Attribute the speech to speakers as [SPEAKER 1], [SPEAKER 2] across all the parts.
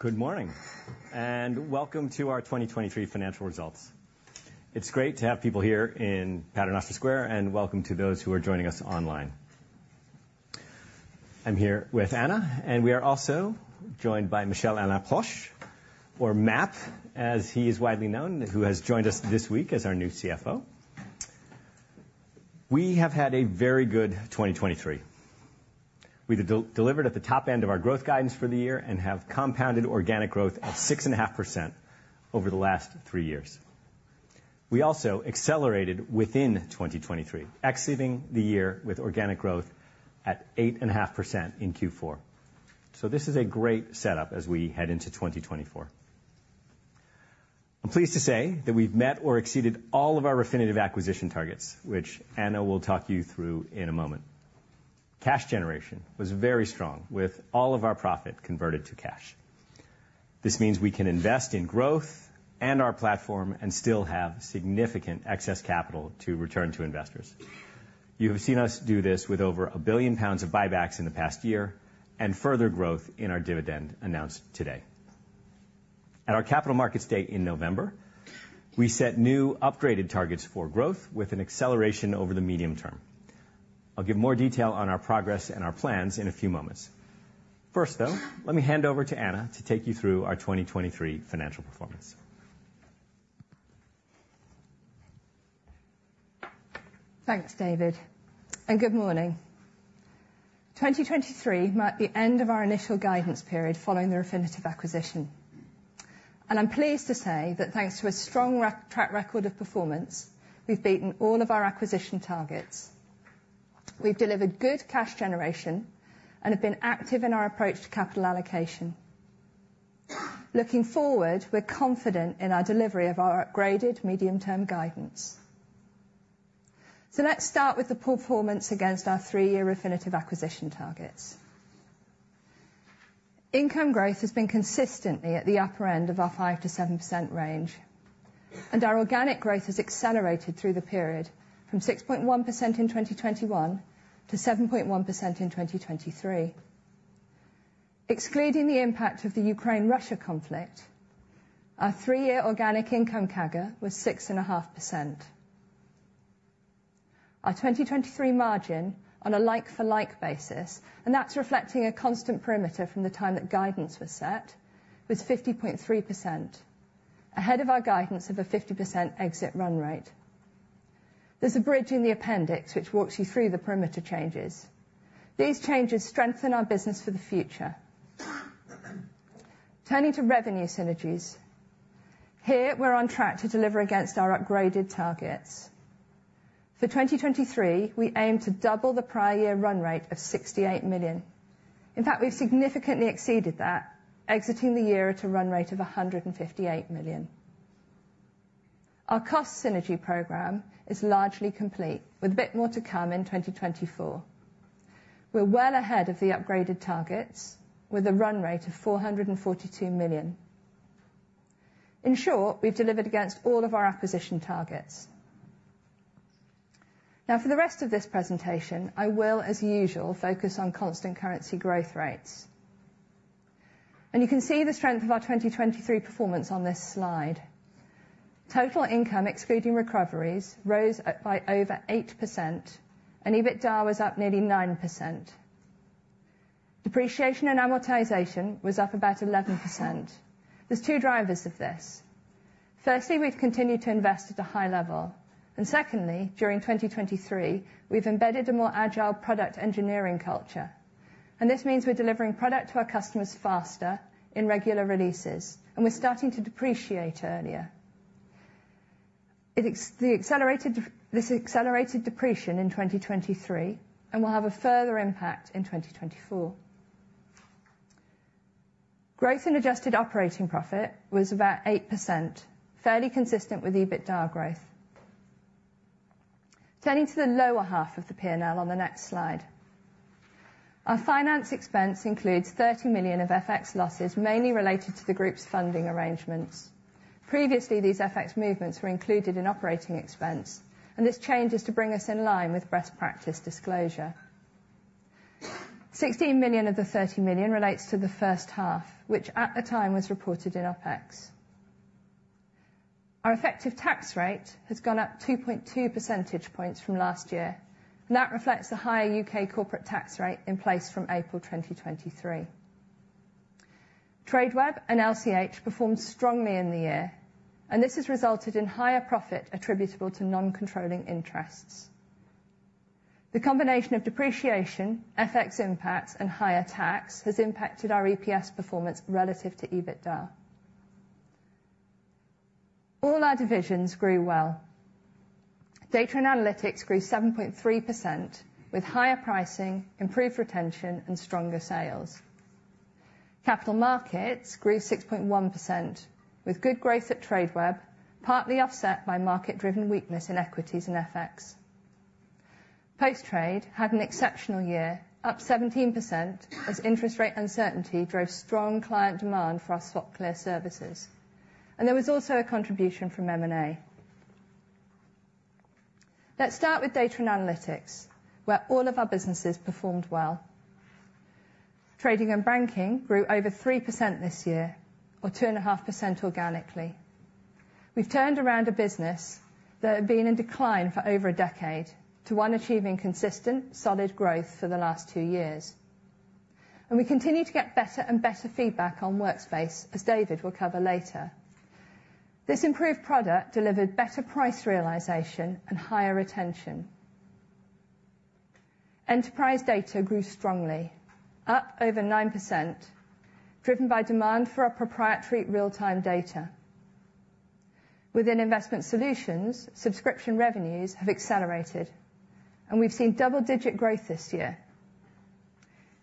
[SPEAKER 1] Good morning, and welcome to our 2023 financial results. It's great to have people here in Paternoster Square, and welcome to those who are joining us online. I'm here with Anna, and we are also joined by Michel-Alain Proch, or MAP, as he is widely known, who has joined us this week as our new CFO. We have had a very good 2023. We delivered at the top end of our growth guidance for the year and have compounded organic growth at 6.5% over the last three years. We also accelerated within 2023, exceeding the year with organic growth at 8.5% in Q4. So this is a great setup as we head into 2024. I'm pleased to say that we've met or exceeded all of our Refinitiv acquisition targets, which Anna will talk you through in a moment. Cash generation was very strong, with all of our profit converted to cash. This means we can invest in growth and our platform and still have significant excess capital to return to investors. You have seen us do this with over 1 billion pounds of buybacks in the past year, and further growth in our dividend announced today. At our Capital Markets Day in November, we set new upgraded targets for growth with an acceleration over the medium term. I'll give more detail on our progress and our plans in a few moments. First, though, let me hand over to Anna to take you through our 2023 financial performance.
[SPEAKER 2] Thanks, David, and good morning. 2023 marked the end of our initial guidance period following the Refinitiv acquisition. I'm pleased to say that thanks to a strong track record of performance, we've beaten all of our acquisition targets. We've delivered good cash generation and have been active in our approach to capital allocation. Looking forward, we're confident in our delivery of our upgraded medium-term guidance. Let's start with the performance against our three-year Refinitiv acquisition targets. Income growth has been consistently at the upper end of our 5%-7% range, and our organic growth has accelerated through the period from 6.1% in 2021 to 7.1% in 2023. Excluding the impact of the Ukraine-Russia conflict, our three-year organic income CAGR was 6.5%. Our 2023 margin on a like-for-like basis, and that's reflecting a constant perimeter from the time that guidance was set, was 50.3%, ahead of our guidance of a 50% exit run rate. There's a bridge in the appendix, which walks you through the perimeter changes. These changes strengthen our business for the future. Turning to revenue synergies. Here, we're on track to deliver against our upgraded targets. For 2023, we aim to double the prior year run rate of 68 million. In fact, we've significantly exceeded that, exiting the year at a run rate of 158 million. Our cost synergy program is largely complete, with a bit more to come in 2024. We're well ahead of the upgraded targets, with a run rate of 442 million. In short, we've delivered against all of our acquisition targets. Now, for the rest of this presentation, I will, as usual, focus on constant currency growth rates. You can see the strength of our 2023 performance on this slide. Total income, excluding recoveries, rose by over 8%, and EBITDA was up nearly 9%. Depreciation and amortization was up about 11%. There's two drivers of this. Firstly, we've continued to invest at a high level, and secondly, during 2023, we've embedded a more agile product engineering culture. This means we're delivering product to our customers faster in regular releases, and we're starting to depreciate earlier. This accelerated depreciation in 2023 and will have a further impact in 2024. Growth in adjusted operating profit was about 8%, fairly consistent with EBITDA growth. Turning to the lower half of the P&L on the next slide. Our finance expense includes 30 million of FX losses, mainly related to the group's funding arrangements. Previously, these FX movements were included in operating expense, and this change is to bring us in line with best practice disclosure. 16 million of the 30 million relates to the first half, which, at the time, was reported in OpEx. Our effective tax rate has gone up 2.2 percentage points from last year, and that reflects the higher UK corporate tax rate in place from April 2023. Tradeweb and LCH performed strongly in the year, and this has resulted in higher profit attributable to non-controlling interests. The combination of depreciation, FX impacts, and higher tax has impacted our EPS performance relative to EBITDA. All our divisions grew well. Data and analytics grew 7.3%, with higher pricing, improved retention, and stronger sales. Capital markets grew 6.1%, with good growth at Tradeweb, partly offset by market-driven weakness in equities and FX. Post Trade had an exceptional year, up 17%, as interest rate uncertainty drove strong client demand for our SwapClear services, and there was also a contribution from M&A. Let's start with data and analytics, where all of our businesses performed well. Trading and banking grew over 3% this year, or 2.5% organically. We've turned around a business that had been in decline for over a decade to one achieving consistent, solid growth for the last two years, and we continue to get better and better feedback on Workspace, as David will cover later. This improved product delivered better price realization and higher retention. Enterprise data grew strongly, up over 9%, driven by demand for our proprietary real-time data. Within investment solutions, subscription revenues have accelerated, and we've seen double-digit growth this year.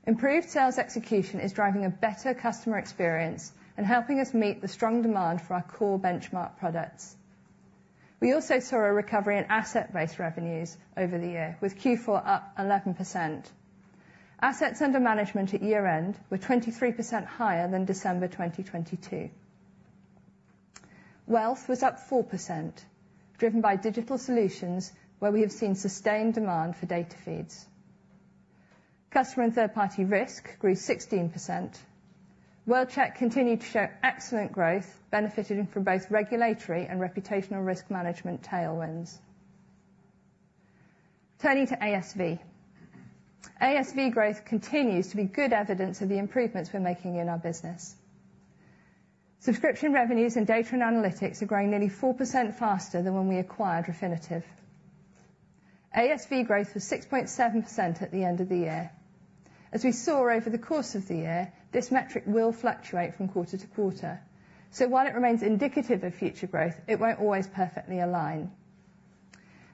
[SPEAKER 2] Improved sales execution is driving a better customer experience and helping us meet the strong demand for our core benchmark products. We also saw a recovery in asset-based revenues over the year, with Q4 up 11%. Assets under management at year-end were 23% higher than December 2022. Wealth was up 4%, driven by digital solutions, where we have seen sustained demand for data feeds. Customer and third-party risk grew 16%. World-Check continued to show excellent growth, benefiting from both regulatory and reputational risk management tailwinds. Turning to ASV. ASV growth continues to be good evidence of the improvements we're making in our business. Subscription revenues and data and analytics are growing nearly 4% faster than when we acquired Refinitiv. ASV growth was 6.7% at the end of the year. As we saw over the course of the year, this metric will fluctuate from quarter to quarter. So while it remains indicative of future growth, it won't always perfectly align.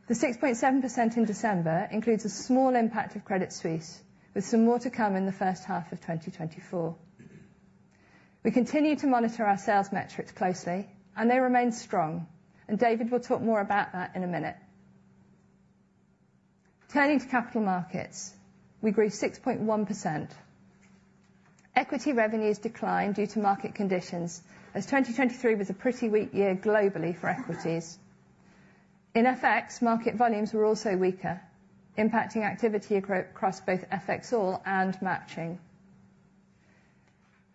[SPEAKER 2] The 6.7% in December includes a small impact of Credit Suisse, with some more to come in the first half of 2024. We continue to monitor our sales metrics closely, and they remain strong, and David will talk more about that in a minute. Turning to capital markets, we grew 6.1%. Equity revenues declined due to market conditions, as 2023 was a pretty weak year globally for equities. In FX, market volumes were also weaker, impacting activity across both FXall and matching.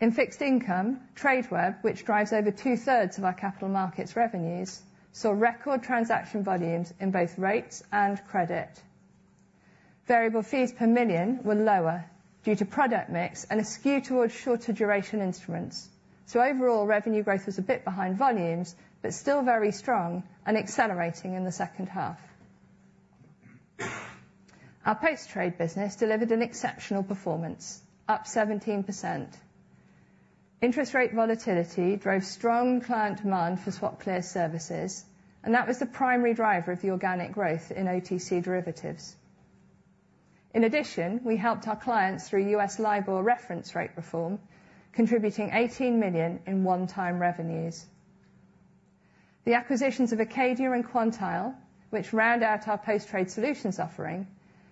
[SPEAKER 2] In fixed income, Tradeweb, which drives over two-thirds of our capital markets' revenues, saw record transaction volumes in both rates and credit. Variable fees per million were lower due to product mix and a skew towards shorter duration instruments. So overall, revenue growth was a bit behind volumes, but still very strong and accelerating in the second half. Our post-trade business delivered an exceptional performance, up 17%. Interest rate volatility drove strong client demand for SwapClear services, and that was the primary driver of the organic growth in OTC derivatives. In addition, we helped our clients through US LIBOR reference rate reform, contributing 18 million in one-time revenues. The acquisitions of Acadia and Quantile, which round out our post-trade solutions offering,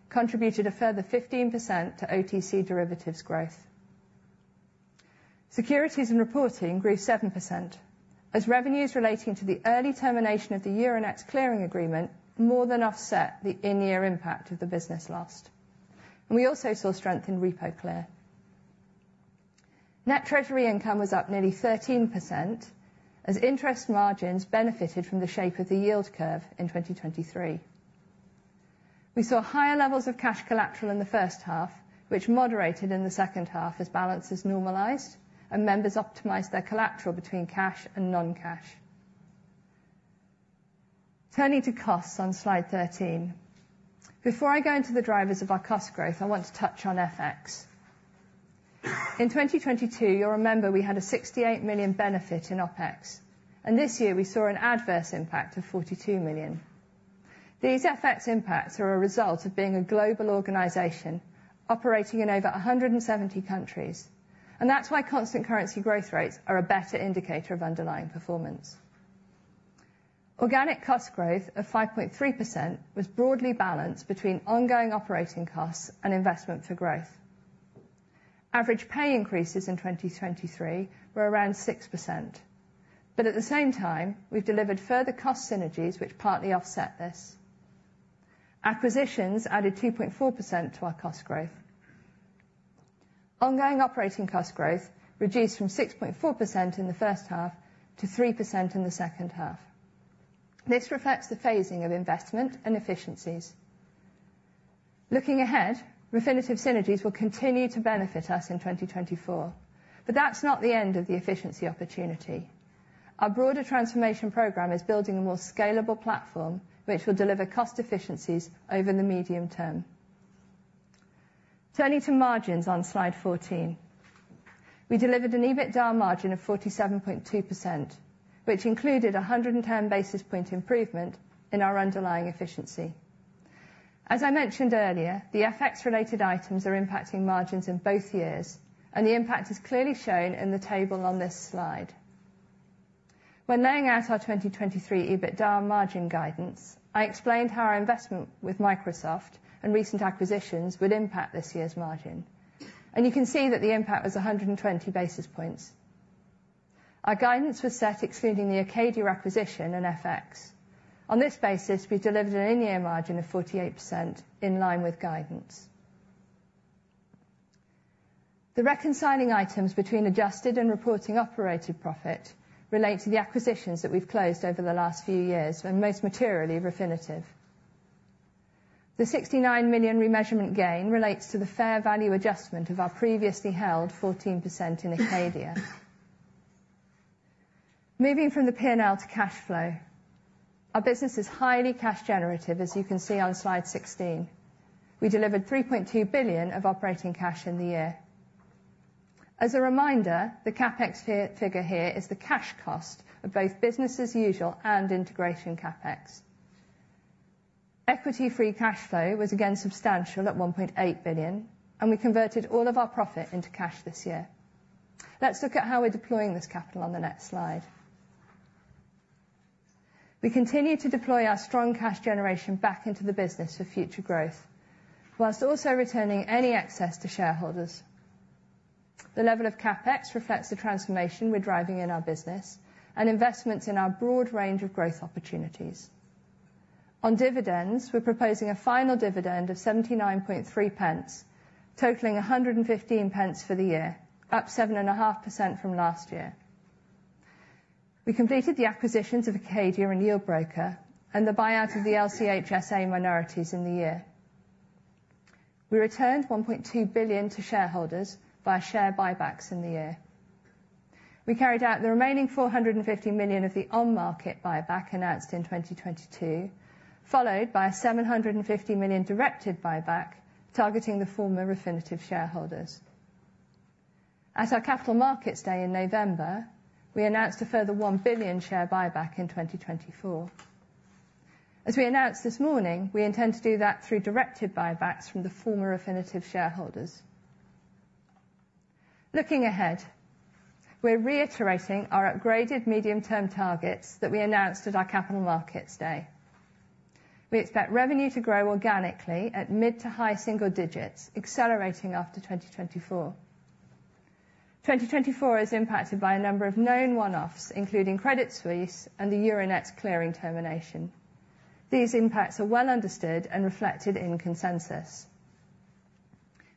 [SPEAKER 2] contributed a further 15% to OTC derivatives growth. Securities and reporting grew 7%, as revenues relating to the early termination of the Euronext clearing agreement more than offset the in-year impact of the business lost. We also saw strength in RepoClear. Net treasury income was up nearly 13%, as interest margins benefited from the shape of the yield curve in 2023. We saw higher levels of cash collateral in the first half, which moderated in the second half as balances normalized and members optimized their collateral between cash and non-cash. Turning to costs on slide 13. Before I go into the drivers of our cost growth, I want to touch on FX. In 2022, you'll remember we had a 68 million benefit in OpEx, and this year we saw an adverse impact of 42 million. These FX impacts are a result of being a global organization operating in over 170 countries, and that's why constant currency growth rates are a better indicator of underlying performance. Organic cost growth of 5.3% was broadly balanced between ongoing operating costs and investment for growth. Average pay increases in 2023 were around 6%, but at the same time, we've delivered further cost synergies which partly offset this. Acquisitions added 2.4% to our cost growth. Ongoing operating cost growth reduced from 6.4% in the first half to 3% in the second half. This reflects the phasing of investment and efficiencies. Looking ahead, Refinitiv synergies will continue to benefit us in 2024, but that's not the end of the efficiency opportunity. Our broader transformation program is building a more scalable platform, which will deliver cost efficiencies over the medium term. Turning to margins on Slide 14. We delivered an EBITDA margin of 47.2%, which included a 110 basis point improvement in our underlying efficiency. As I mentioned earlier, the FX-related items are impacting margins in both years, and the impact is clearly shown in the table on this slide. When laying out our 2023 EBITDA margin guidance, I explained how our investment with Microsoft and recent acquisitions would impact this year's margin, and you can see that the impact was 120 basis points. Our guidance was set excluding the Acadia acquisition and FX. On this basis, we delivered an in-year margin of 48%, in line with guidance. The reconciling items between adjusted and reporting operating profit relate to the acquisitions that we've closed over the last few years, and most materially, Refinitiv. The 69 million remeasurement gain relates to the fair value adjustment of our previously held 14% in Acadia. Moving from the P&L to cash flow, our business is highly cash generative, as you can see on Slide 16. We delivered 3.2 billion of operating cash in the year. As a reminder, the CapEx here, figure here, is the cash cost of both business as usual and integration CapEx. Equity-free cash flow was again substantial at 1.8 billion, and we converted all of our profit into cash this year. Let's look at how we're deploying this capital on the next slide. We continue to deploy our strong cash generation back into the business for future growth, whilst also returning any excess to shareholders. The level of CapEx reflects the transformation we're driving in our business and investments in our broad range of growth opportunities. On dividends, we're proposing a final dividend of 0.793, totaling 1.15 for the year, up 7.5% from last year. We completed the acquisitions of Acadia and Yieldbroker and the buyout of the LCH SA minorities in the year. We returned 1.2 billion to shareholders via share buybacks in the year. We carried out the remaining 450 million of the on-market buyback announced in 2022, followed by a 750 million directed buyback, targeting the former Refinitiv shareholders. At our Capital Markets Day in November, we announced a further 1 billion share buyback in 2024. As we announced this morning, we intend to do that through directed buybacks from the former Refinitiv shareholders. Looking ahead, we're reiterating our upgraded medium-term targets that we announced at our Capital Markets Day. We expect revenue to grow organically at mid to high single digits, accelerating after 2024. 2024 is impacted by a number of known one-offs, including Credit Suisse and the Euronext clearing termination. These impacts are well understood and reflected in consensus.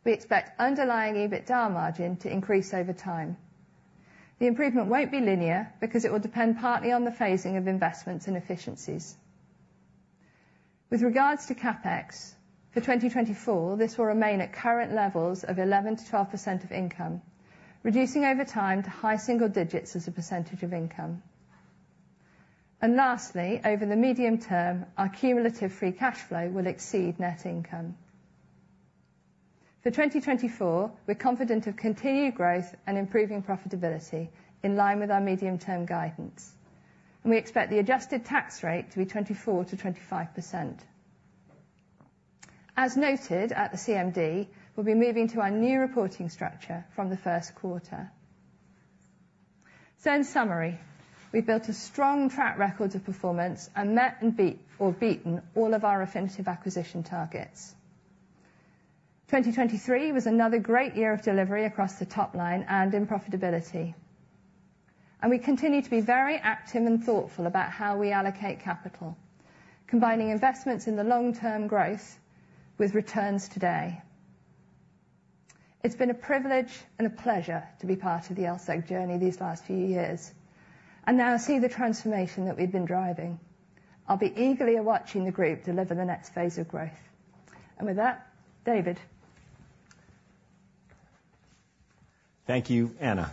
[SPEAKER 2] We expect underlying EBITDA margin to increase over time. The improvement won't be linear, because it will depend partly on the phasing of investments and efficiencies. With regards to CapEx, for 2024, this will remain at current levels of 11%-12% of income, reducing over time to high single digits as a percentage of income. Lastly, over the medium term, our cumulative free cash flow will exceed net income. For 2024, we're confident of continued growth and improving profitability in line with our medium-term guidance, and we expect the adjusted tax rate to be 24%-25%. As noted at the CMD, we'll be moving to our new reporting structure from the first quarter. In summary, we've built a strong track record of performance and met and beat or beaten all of our Refinitiv acquisition targets. 2023 was another great year of delivery across the top line and in profitability. We continue to be very active and thoughtful about how we allocate capital, combining investments in the long-term growth with returns today. It's been a privilege and a pleasure to be part of the LSEG journey these last few years, and now I see the transformation that we've been driving. I'll be eagerly watching the group deliver the next phase of growth. And with that, David.
[SPEAKER 1] Thank you, Anna.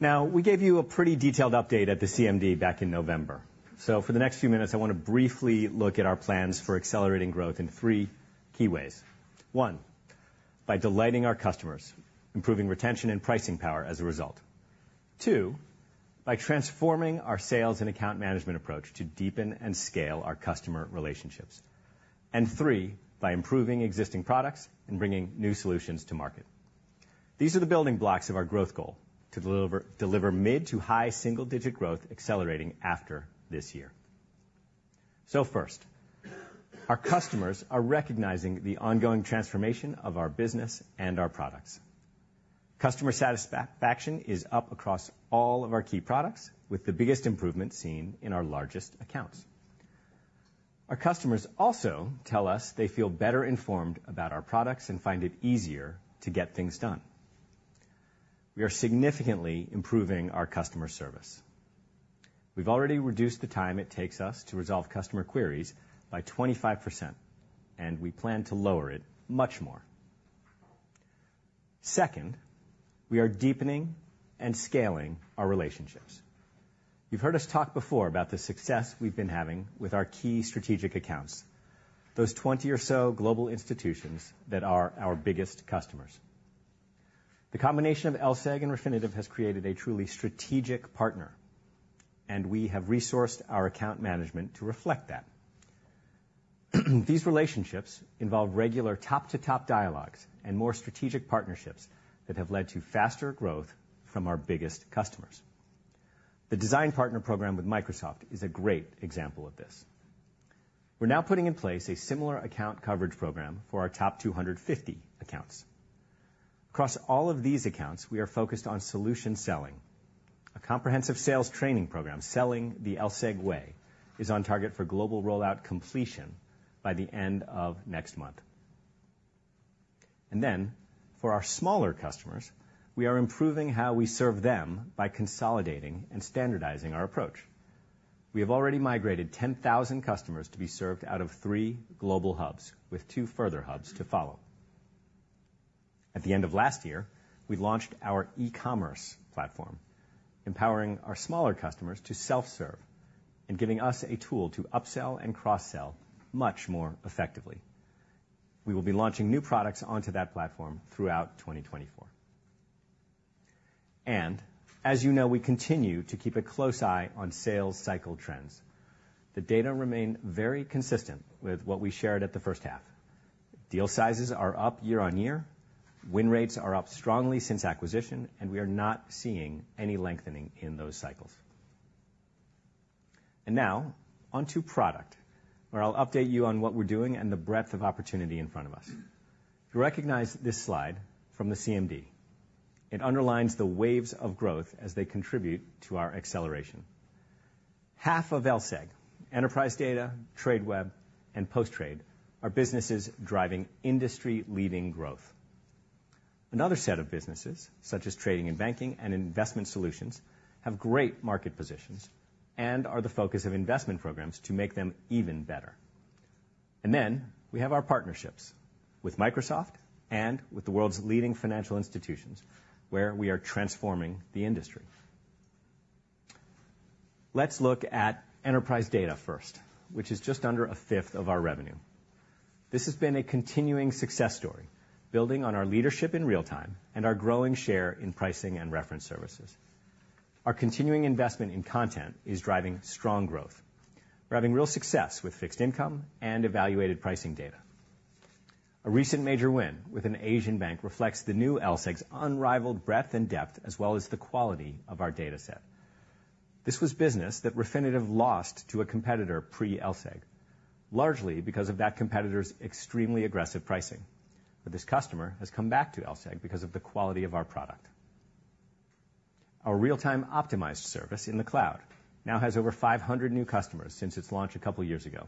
[SPEAKER 1] Now, we gave you a pretty detailed update at the CMD back in November. So for the next few minutes, I want to briefly look at our plans for accelerating growth in three key ways. One, by delighting our customers, improving retention and pricing power as a result. Two, by transforming our sales and account management approach to deepen and scale our customer relationships. And three, by improving existing products and bringing new solutions to market. These are the building blocks of our growth goal: to deliver, deliver mid to high single-digit growth, accelerating after this year. So first, our customers are recognizing the ongoing transformation of our business and our products. Customer satisfaction is up across all of our key products, with the biggest improvement seen in our largest accounts. Our customers also tell us they feel better informed about our products and find it easier to get things done. We are significantly improving our customer service. We've already reduced the time it takes us to resolve customer queries by 25%, and we plan to lower it much more. Second, we are deepening and scaling our relationships. You've heard us talk before about the success we've been having with our key strategic accounts, those 20 or so global institutions that are our biggest customers. The combination of LSEG and Refinitiv has created a truly strategic partner, and we have resourced our account management to reflect that. These relationships involve regular top-to-top dialogues and more strategic partnerships that have led to faster growth from our biggest customers. The Design Partner Program with Microsoft is a great example of this. We're now putting in place a similar account coverage program for our top 250 accounts. Across all of these accounts, we are focused on solution selling. A comprehensive sales training program, Selling the LSEG Way, is on target for global rollout completion by the end of next month. For our smaller customers, we are improving how we serve them by consolidating and standardizing our approach. We have already migrated 10,000 customers to be served out of three global hubs, with two further hubs to follow. At the end of last year, we launched our e-commerce platform, empowering our smaller customers to self-serve and giving us a tool to upsell and cross-sell much more effectively. We will be launching new products onto that platform throughout 2024. As you know, we continue to keep a close eye on sales cycle trends. The data remain very consistent with what we shared at the first half. Deal sizes are up year-on-year, win rates are up strongly since acquisition, and we are not seeing any lengthening in those cycles. Now onto product, where I'll update you on what we're doing and the breadth of opportunity in front of us. You recognize this slide from the CMD. It underlines the waves of growth as they contribute to our acceleration. Half of LSEG, Enterprise Data, Tradeweb, and Post Trade, are businesses driving industry-leading growth. Another set of businesses, such as Trading and Banking and Investment Solutions, have great market positions and are the focus of investment programs to make them even better. And then we have our partnerships with Microsoft and with the world's leading financial institutions, where we are transforming the industry. Let's look at enterprise data first, which is just under a fifth of our revenue. This has been a continuing success story, building on our leadership in real time and our growing share in pricing and reference services. Our continuing investment in content is driving strong growth. We're having real success with fixed income and evaluated pricing data. A recent major win with an Asian bank reflects the new LSEG's unrivaled breadth and depth, as well as the quality of our data set. This was business that Refinitiv lost to a competitor pre-LSEG, largely because of that competitor's extremely aggressive pricing. But this customer has come back to LSEG because of the quality of our product. Our real-time optimized service in the cloud now has over 500 new customers since its launch a couple years ago,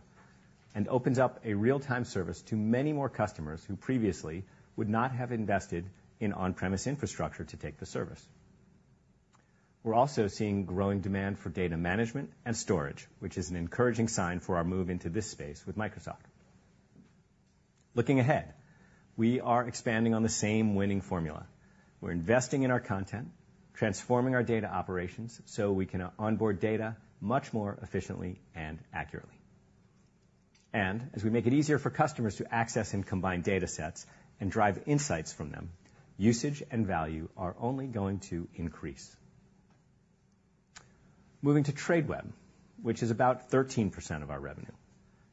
[SPEAKER 1] and opens up a real-time service to many more customers who previously would not have invested in on-premise infrastructure to take the service. We're also seeing growing demand for data management and storage, which is an encouraging sign for our move into this space with Microsoft. Looking ahead, we are expanding on the same winning formula. We're investing in our content, transforming our data operations so we can onboard data much more efficiently and accurately. And as we make it easier for customers to access and combine data sets and drive insights from them, usage and value are only going to increase. Moving to Tradeweb, which is about 13% of our revenue.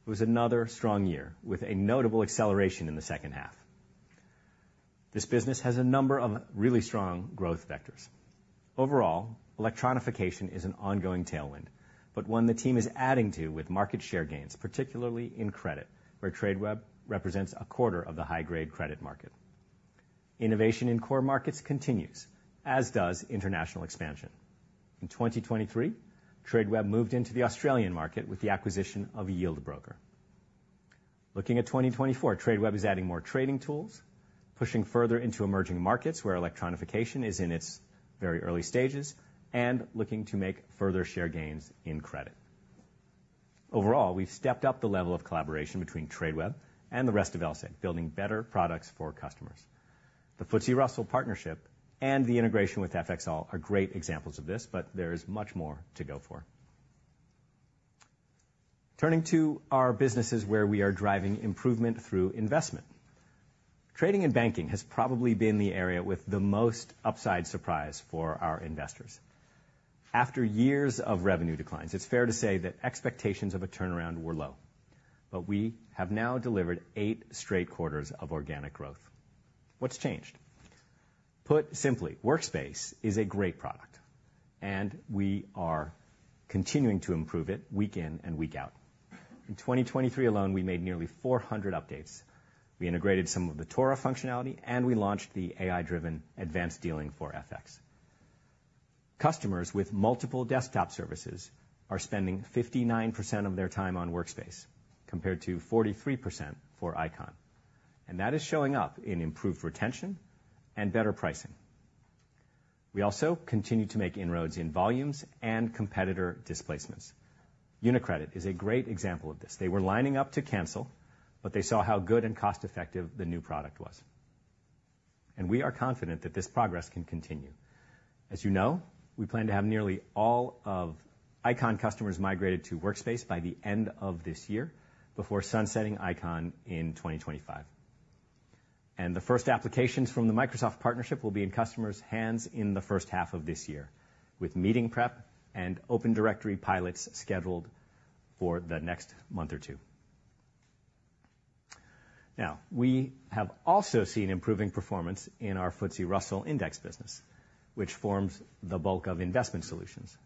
[SPEAKER 1] It was another strong year with a notable acceleration in the second half. This business has a number of really strong growth vectors. Overall, electronification is an ongoing tailwind, but one the team is adding to with market share gains, particularly in credit, where Tradeweb represents a quarter of the high-grade credit market. Innovation in core markets continues, as does international expansion. In 2023, Tradeweb moved into the Australian market with the acquisition of a Yieldbroker. Looking at 2024, Tradeweb is adding more trading tools, pushing further into emerging markets where electronification is in its very early stages, and looking to make further share gains in credit. Overall, we've stepped up the level of collaboration between Tradeweb and the rest of LSEG, building better products for customers. The FTSE Russell partnership and the integration with FXall are great examples of this, but there is much more to go for. Turning to our businesses where we are driving improvement through investment. Trading and banking has probably been the area with the most upside surprise for our investors. After years of revenue declines, it's fair to say that expectations of a turnaround were low, but we have now delivered 8 straight quarters of organic growth. What's changed? Put simply, Workspace is a great product, and we are continuing to improve it week in and week out. In 2023 alone, we made nearly 400 updates. We integrated some of the TORA functionality, and we launched the AI-driven advanced dealing for FX. Customers with multiple desktop services are spending 59% of their time on Workspace, compared to 43% for Eikon, and that is showing up in improved retention and better pricing. We also continue to make inroads in volumes and competitor displacements. UniCredit is a great example of this. They were lining up to cancel, but they saw how good and cost-effective the new product was. We are confident that this progress can continue. As you know, we plan to have nearly all of Eikon customers migrated to Workspace by the end of this year, before sunsetting Eikon in 2025. The first applications from the Microsoft partnership will be in customers' hands in the first half of this year, with Meeting Prep and Open Directory pilots scheduled for the next month or two. Now, we have also seen improving performance in our FTSE Russell Index business, which forms the bulk of investment solutions.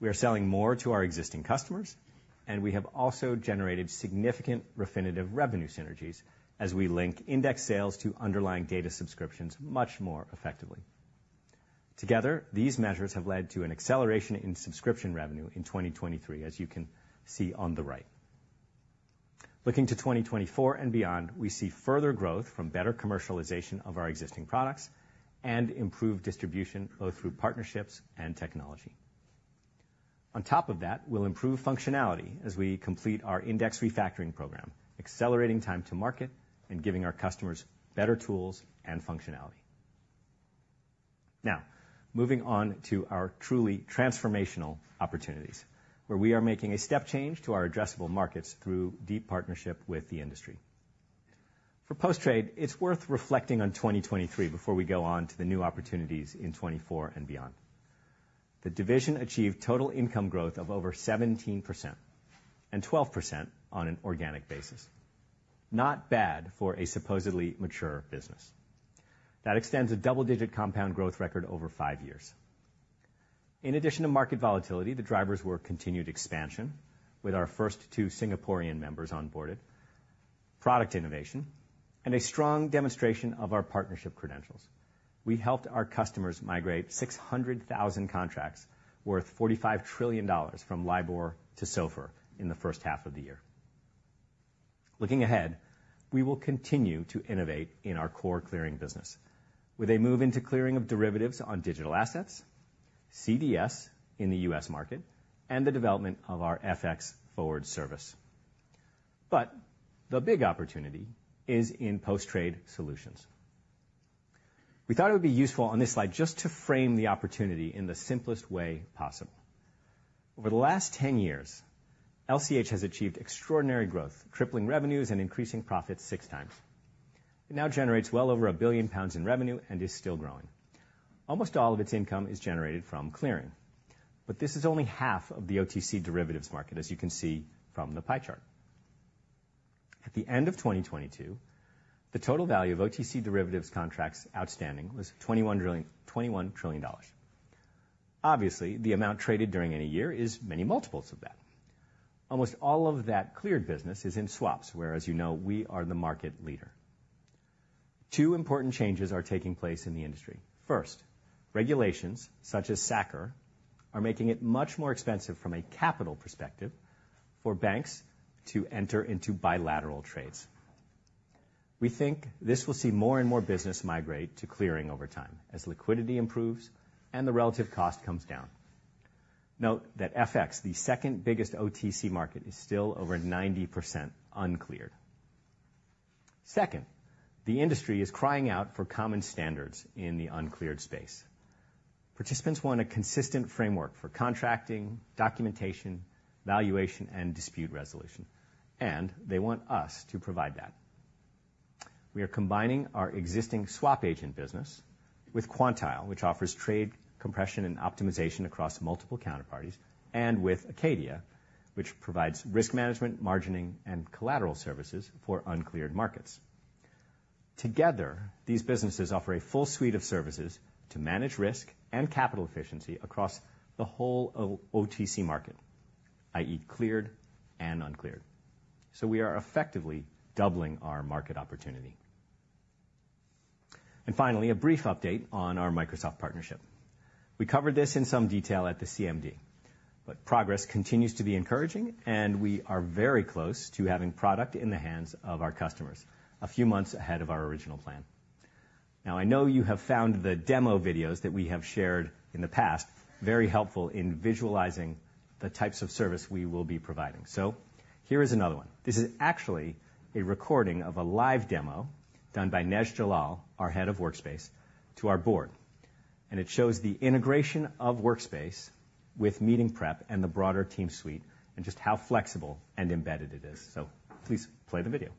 [SPEAKER 1] We are selling more to our existing customers, and we have also generated significant Refinitiv revenue synergies as we link index sales to underlying data subscriptions much more effectively. Together, these measures have led to an acceleration in subscription revenue in 2023, as you can see on the right. Looking to 2024 and beyond, we see further growth from better commercialization of our existing products and improved distribution, both through partnerships and technology. On top of that, we'll improve functionality as we complete our index refactoring program, accelerating time to market and giving our customers better tools and functionality. Now, moving on to our truly transformational opportunities, where we are making a step change to our addressable markets through deep partnership with the industry. For Post Trade, it's worth reflecting on 2023 before we go on to the new opportunities in 2024 and beyond. The division achieved total income growth of over 17% and 12% on an organic basis. Not bad for a supposedly mature business. That extends a double-digit compound growth record over five years. In addition to market volatility, the drivers were continued expansion with our first two Singaporean members onboarded, product innovation, and a strong demonstration of our partnership credentials. We helped our customers migrate 600,000 contracts worth $45 trillion from LIBOR to SOFR in the first half of the year. Looking ahead, we will continue to innovate in our core clearing business, with a move into clearing of derivatives on digital assets, CDS in the U.S. market, and the development of our FX forward service. But the big opportunity is in Post Trade Solutions. We thought it would be useful on this slide just to frame the opportunity in the simplest way possible. Over the last 10 years, LCH has achieved extraordinary growth, tripling revenues and increasing profits 6 times. It now generates well over 1 billion pounds in revenue and is still growing. Almost all of its income is generated from clearing, but this is only half of the OTC derivatives market, as you can see from the pie chart. At the end of 2022, the total value of OTC derivatives contracts outstanding was $21 trillion. Obviously, the amount traded during any year is many multiples of that. Almost all of that cleared business is in swaps, where, as you know, we are the market leader. Two important changes are taking place in the industry. First, regulations such as SA-CCR are making it much more expensive from a capital perspective for banks to enter into bilateral trades. We think this will see more and more business migrate to clearing over time as liquidity improves and the relative cost comes down. Note that FX, the second-biggest OTC market, is still over 90% uncleared. Second, the industry is crying out for common standards in the uncleared space. Participants want a consistent framework for contracting, documentation, valuation, and dispute resolution, and they want us to provide that. We are combining our existing SwapAgent business with Quantile, which offers trade compression and optimization across multiple counterparties, and with Acadia, which provides risk management, margining, and collateral services for uncleared markets. Together, these businesses offer a full suite of services to manage risk and capital efficiency across the whole OTC market, i.e., cleared and uncleared. So we are effectively doubling our market opportunity. And finally, a brief update on our Microsoft partnership. We covered this in some detail at the CMD, but progress continues to be encouraging, and we are very close to having product in the hands of our customers, a few months ahead of our original plan. Now, I know you have found the demo videos that we have shared in the past very helpful in visualizing the types of service we will be providing, so here is another one. This is actually a recording of a live demo done by Nej D'jelal, our Head of Workspace, to our Board, and it shows the integration of Workspace with Meeting Prep and the broader Teams suite, and just how flexible and embedded it is. So please play the video.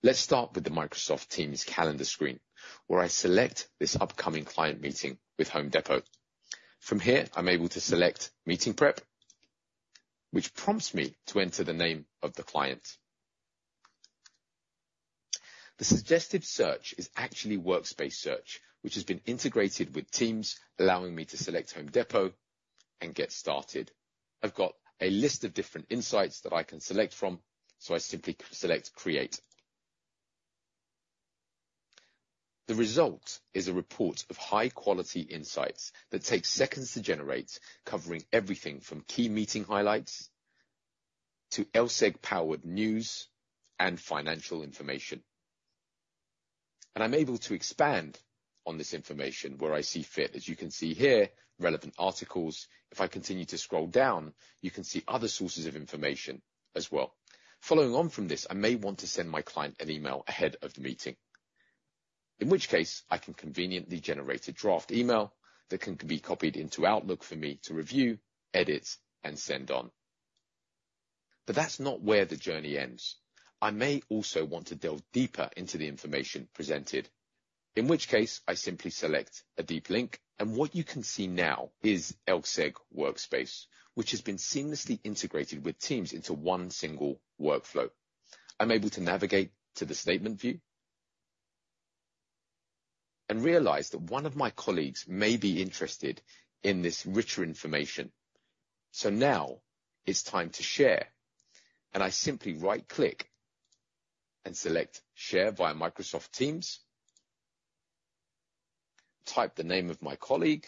[SPEAKER 3] Let's start with the Microsoft Teams calendar screen, where I select this upcoming client meeting with Home Depot. From here, I'm able to select Meeting Prep, which prompts me to enter the name of the client. The suggested search is actually Workspace Search, which has been integrated with Teams, allowing me to select Home Depot and get started. I've got a list of different insights that I can select from, so I simply select Create. The result is a report of high-quality insights that takes seconds to generate, covering everything from key meeting highlights to LSEG-powered news and financial information. And I'm able to expand on this information where I see fit. As you can see here, relevant articles. If I continue to scroll down, you can see other sources of information as well. Following on from this, I may want to send my client an email ahead of the meeting, in which case I can conveniently generate a draft email that can be copied into Outlook for me to review, edit, and send on. But that's not where the journey ends. I may also want to delve deeper into the information presented… In which case, I simply select a deep link, and what you can see now is LSEG Workspace, which has been seamlessly integrated with Teams into one single workflow. I'm able to navigate to the statement view and realize that one of my colleagues may be interested in this richer information. So now it's time to share, and I simply right-click and select Share via Microsoft Teams, type the name of my colleague,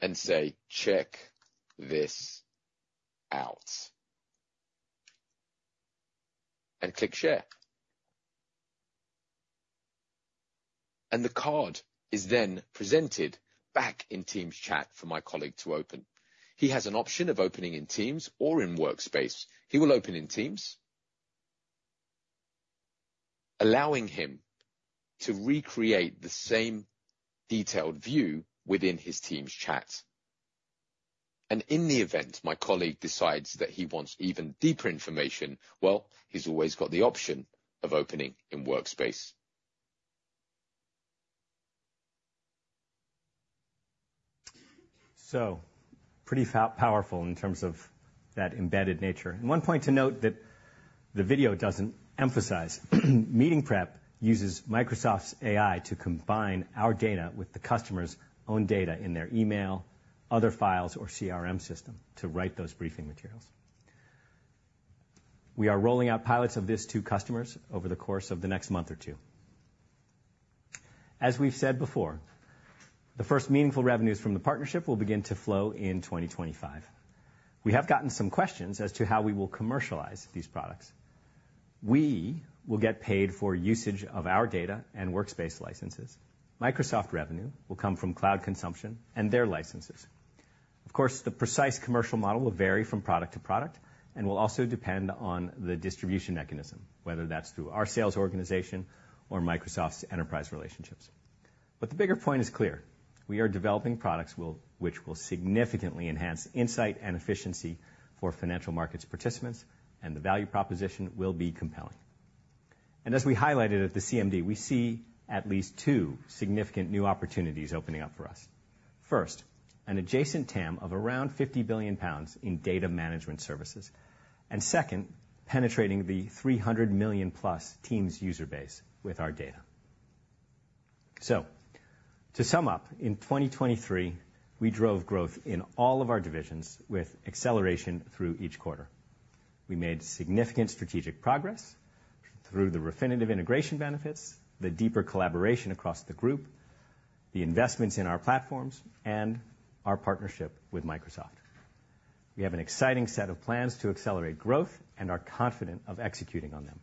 [SPEAKER 3] and say, "Check this out" and click Share. The card is then presented back in Teams chat for my colleague to open. He has an option of opening in Teams or in Workspace. He will open in Teams, allowing him to recreate the same detailed view within his Teams chat. In the event my colleague decides that he wants even deeper information, well, he's always got the option of opening in Workspace.
[SPEAKER 1] So pretty powerful in terms of that embedded nature. One point to note that the video doesn't emphasize, Meeting Prep uses Microsoft's AI to combine our data with the customer's own data in their email, other files, or CRM system to write those briefing materials. We are rolling out pilots of this to customers over the course of the next month or two. As we've said before, the first meaningful revenues from the partnership will begin to flow in 2025. We have gotten some questions as to how we will commercialize these products. We will get paid for usage of our data and Workspace licenses. Microsoft revenue will come from cloud consumption and their licenses. Of course, the precise commercial model will vary from product to product and will also depend on the distribution mechanism, whether that's through our sales organization or Microsoft's enterprise relationships. But the bigger point is clear, we are developing products which will significantly enhance insight and efficiency for financial markets participants, and the value proposition will be compelling. As we highlighted at the CMD, we see at least two significant new opportunities opening up for us. First, an adjacent TAM of around 50 billion pounds in data management services, and second, penetrating the 300 million-plus Teams user base with our data. To sum up, in 2023, we drove growth in all of our divisions with acceleration through each quarter. We made significant strategic progress through the Refinitiv integration benefits, the deeper collaboration across the group, the investments in our platforms, and our partnership with Microsoft. We have an exciting set of plans to accelerate growth and are confident of executing on them,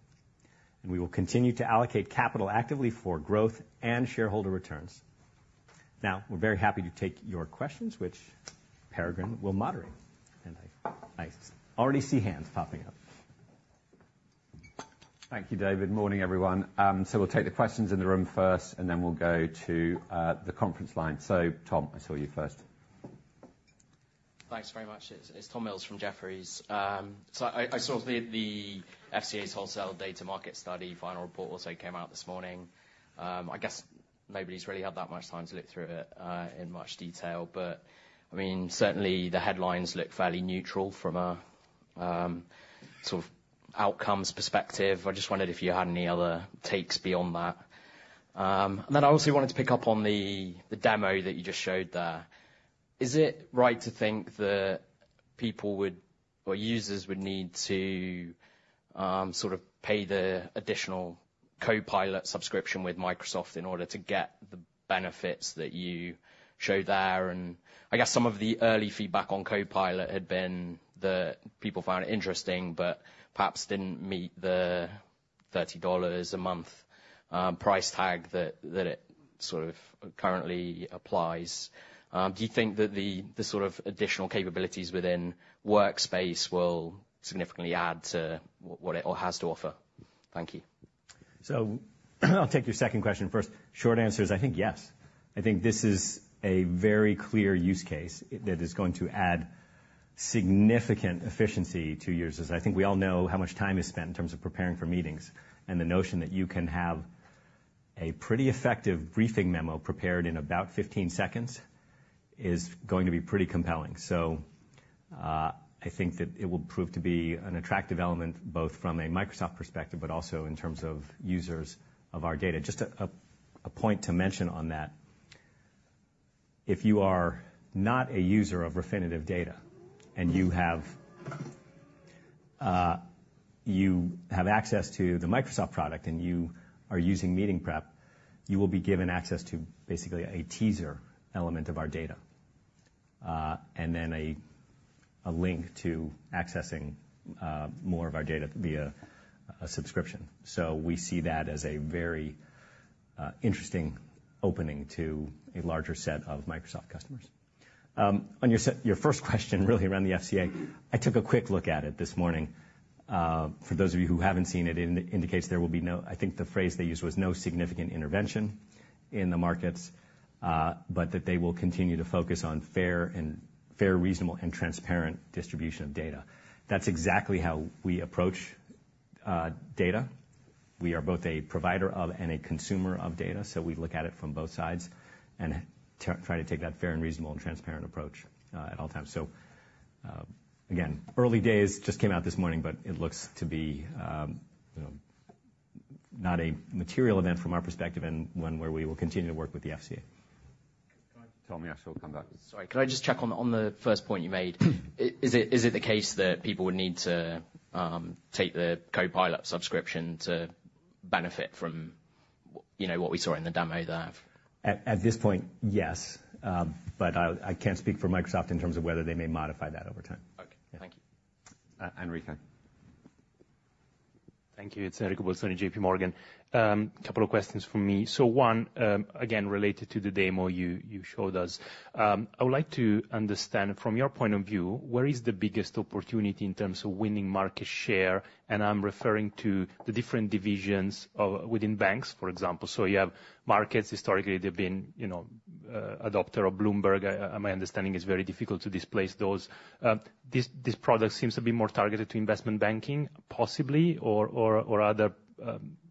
[SPEAKER 1] and we will continue to allocate capital actively for growth and shareholder returns. Now, we're very happy to take your questions, which Peregrine will moderate, and I already see hands popping up.
[SPEAKER 4] Thank you, David. Morning, everyone. So we'll take the questions in the room first, and then we'll go to the conference line. So Tom, I saw you first.
[SPEAKER 5] Thanks very much. It's Tom Mills from Jefferies. So I saw the FCA's wholesale data market study, final report also came out this morning. I guess nobody's really had that much time to look through it, in much detail, but, I mean, certainly the headlines look fairly neutral from a, sort of outcomes perspective. I just wondered if you had any other takes beyond that. And then I also wanted to pick up on the, the demo that you just showed there. Is it right to think that people would or users would need to, sort of pay the additional Copilot subscription with Microsoft in order to get the benefits that you showed there? I guess some of the early feedback on Copilot had been that people found it interesting but perhaps didn't meet the $30 a month price tag that, that it sort of currently applies. Do you think that the sort of additional capabilities within Workspace will significantly add to what it all has to offer? Thank you.
[SPEAKER 1] So I'll take your second question first. Short answer is I think yes. I think this is a very clear use case that is going to add significant efficiency to users. I think we all know how much time is spent in terms of preparing for meetings, and the notion that you can have a pretty effective briefing memo prepared in about 15 seconds is going to be pretty compelling. So, I think that it will prove to be an attractive element, both from a Microsoft perspective, but also in terms of users of our data. Just a point to mention on that, if you are not a user of Refinitiv data, and you have access to the Microsoft product and you are using Meeting Prep, you will be given access to basically a teaser element of our data, and then a link to accessing more of our data via a subscription. So we see that as a very interesting opening to a larger set of Microsoft customers. On your first question, really around the FCA, I took a quick look at it this morning. For those of you who haven't seen it, it indicates there will be no, I think the phrase they used was "no significant intervention," in the markets, but that they will continue to focus on fair, reasonable, and transparent distribution of data. That's exactly how we approach data. We are both a provider of, and a consumer of data, so we look at it from both sides and try to take that fair and reasonable, and transparent approach at all times. So, again, early days, just came out this morning, but it looks to be, you know, not a material event from our perspective, and one where we will continue to work with the FCA.
[SPEAKER 4] Tell me, I shall come back.
[SPEAKER 5] Sorry, can I just check on the first point you made? Is it the case that people would need to take the Copilot subscription to benefit from, you know, what we saw in the demo there?
[SPEAKER 1] At this point, yes. But I can't speak for Microsoft in terms of whether they may modify that over time.
[SPEAKER 5] Okay. Thank you.
[SPEAKER 4] Enrico.
[SPEAKER 6] Thank you. It's Enrico Bolzoni, JPMorgan. Couple of questions from me. So one, again, related to the demo you, you showed us. I would like to understand from your point of view, where is the biggest opportunity in terms of winning market share? And I'm referring to the different divisions of within banks, for example. So you have markets. Historically, they've been, you know, adopter of Bloomberg. My understanding is it's very difficult to displace those. This, this product seems to be more targeted to investment banking, possibly, or, or, or other,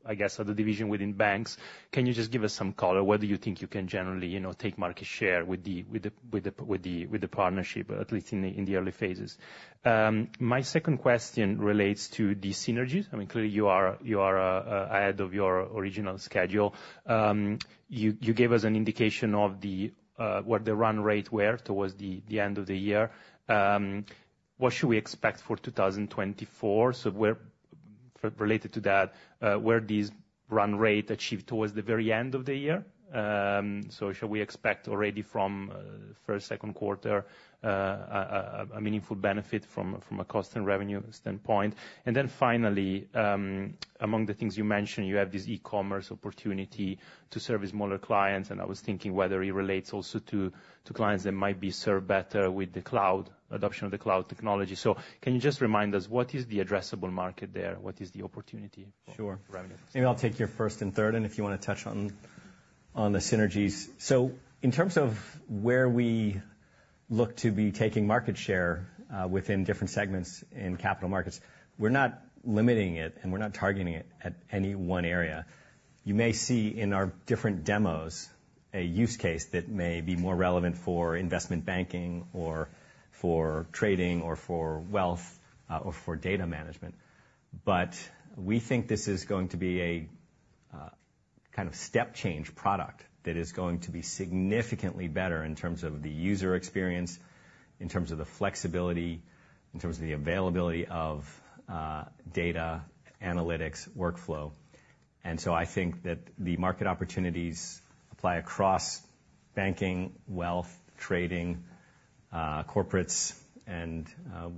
[SPEAKER 6] I guess, other division within banks. Can you just give us some color, whether you think you can generally, you know, take market share with the, with the, with the, with the partnership, at least in the, in the early phases? My second question relates to the synergies. I mean, clearly, you are, you are ahead of your original schedule. You gave us an indication of the, what the run rate were towards the end of the year. What should we expect for 2024? So where related to that, where these run rate achieved towards the very end of the year. So shall we expect already from first, second quarter a meaningful benefit from a cost and revenue standpoint? And then finally, among the things you mentioned, you have this e-commerce opportunity to service smaller clients, and I was thinking whether it relates also to clients that might be served better with the cloud, adoption of the cloud technology. So can you just remind us, what is the addressable market there? What is the opportunity for-
[SPEAKER 1] Sure.
[SPEAKER 6] Revenue.
[SPEAKER 1] Maybe I'll take your first and third, and if you want to touch on, on the synergies. So in terms of where we look to be taking market share, within different segments in Capital Markets, we're not limiting it, and we're not targeting it at any one area. You may see in our different demos, a use case that may be more relevant for investment banking, or for trading, or for wealth, or for data management. But we think this is going to be a, kind of step change product that is going to be significantly better in terms of the user experience, in terms of the flexibility, in terms of the availability of, data, analytics, workflow. And so I think that the market opportunities apply across banking, wealth, trading, corporates, and,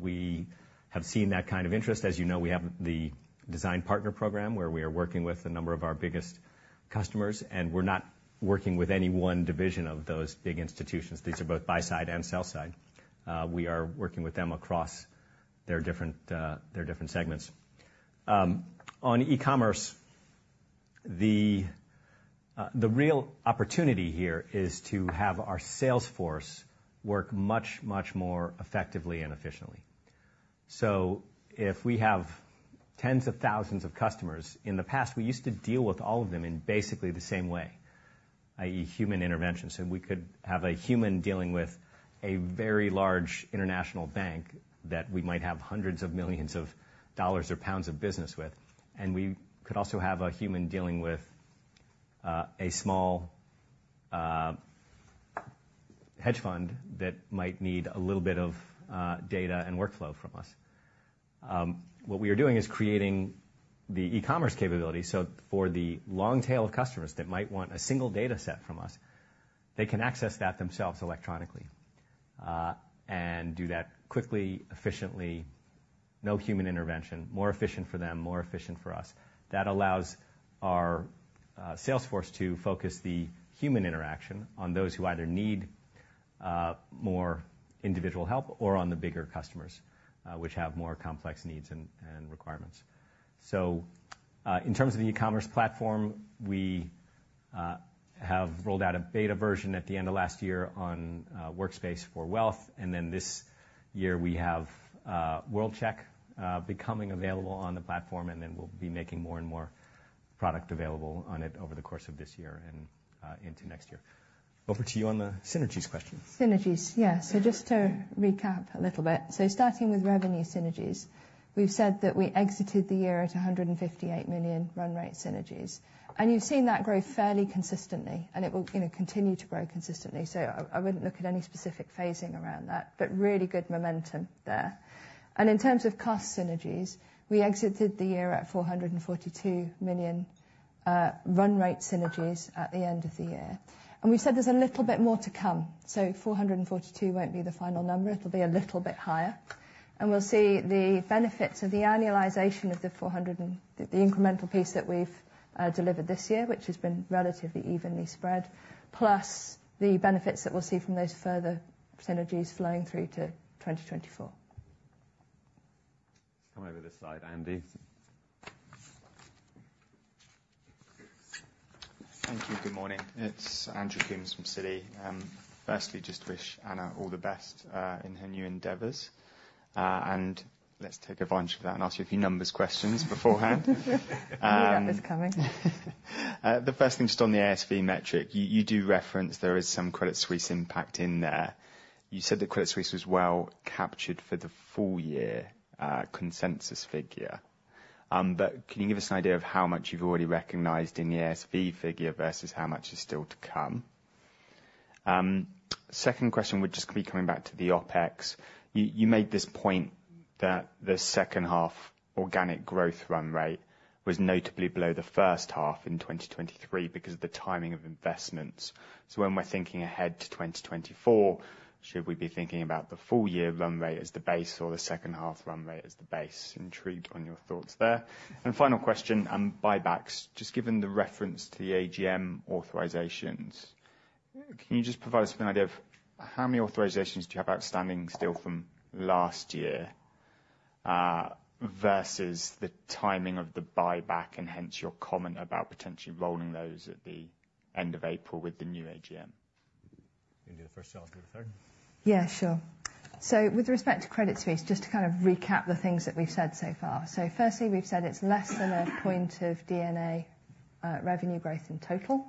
[SPEAKER 1] we have seen that kind of interest. As you know, we have the design partner program, where we are working with a number of our biggest customers, and we're not working with any one division of those big institutions. These are both buy side and sell side. We are working with them across their different segments. On e-commerce, the real opportunity here is to have our sales force work much, much more effectively and efficiently. So if we have tens of thousands of customers, in the past, we used to deal with all of them in basically the same way, i.e., human intervention. So we could have a human dealing with a very large international bank that we might have hundreds of millions of dollars or pounds of business with, and we could also have a human dealing with a small hedge fund that might need a little bit of data and workflow from us. What we are doing is creating the e-commerce capability. So for the long tail of customers that might want a single data set from us, they can access that themselves electronically and do that quickly, efficiently, no human intervention, more efficient for them, more efficient for us. That allows our sales force to focus the human interaction on those who either need more individual help or on the bigger customers which have more complex needs and, and requirements. So, in terms of the e-commerce platform, we have rolled out a beta version at the end of last year on Workspace for Wealth, and then this year we have World-Check becoming available on the platform, and then we'll be making more and more product available on it over the course of this year and into next year. Over to you on the synergies question.
[SPEAKER 2] Synergies, yeah. So just to recap a little bit. So starting with revenue synergies, we've said that we exited the year at 158 million run rate synergies, and you've seen that grow fairly consistently, and it will, you know, continue to grow consistently. So I, I wouldn't look at any specific phasing around that, but really good momentum there. And in terms of cost synergies, we exited the year at 442 million run rate synergies at the end of the year. And we said there's a little bit more to come, so 442 won't be the final number. It'll be a little bit higher. And we'll see the benefits of the annualization of the 442 and... the incremental piece that we've delivered this year, which has been relatively evenly spread, plus the benefits that we'll see from those further synergies flowing through to 2024....
[SPEAKER 4] Come over this side, Andy.
[SPEAKER 7] Thank you. Good morning. It's Andrew Coombs from Citi. Firstly, just wish Anna all the best in her new endeavors. And let's take advantage of that and ask you a few numbers questions beforehand.
[SPEAKER 2] I knew that was coming.
[SPEAKER 7] The first thing, just on the ASV metric, you do reference there is some Credit Suisse impact in there. You said that Credit Suisse was well captured for the full-year, consensus figure. But can you give us an idea of how much you've already recognized in the ASV figure versus how much is still to come? Second question would just be coming back to the OpEx. You made this point that the second half organic growth run rate was notably below the first half in 2023 because of the timing of investments. So when we're thinking ahead to 2024, should we be thinking about the full-year run rate as the base or the second half run rate as the base? Intrigued on your thoughts there. And final question on buybacks. Just given the reference to the AGM authorizations, can you just provide us with an idea of how many authorizations do you have outstanding still from last year, versus the timing of the buyback, and hence your comment about potentially rolling those at the end of April with the new AGM?
[SPEAKER 1] You want to do the first two, I'll do the third?
[SPEAKER 2] Yeah, sure. So with respect to Credit Suisse, just to kind of recap the things that we've said so far. So firstly, we've said it's less than a point of drag on revenue growth in total,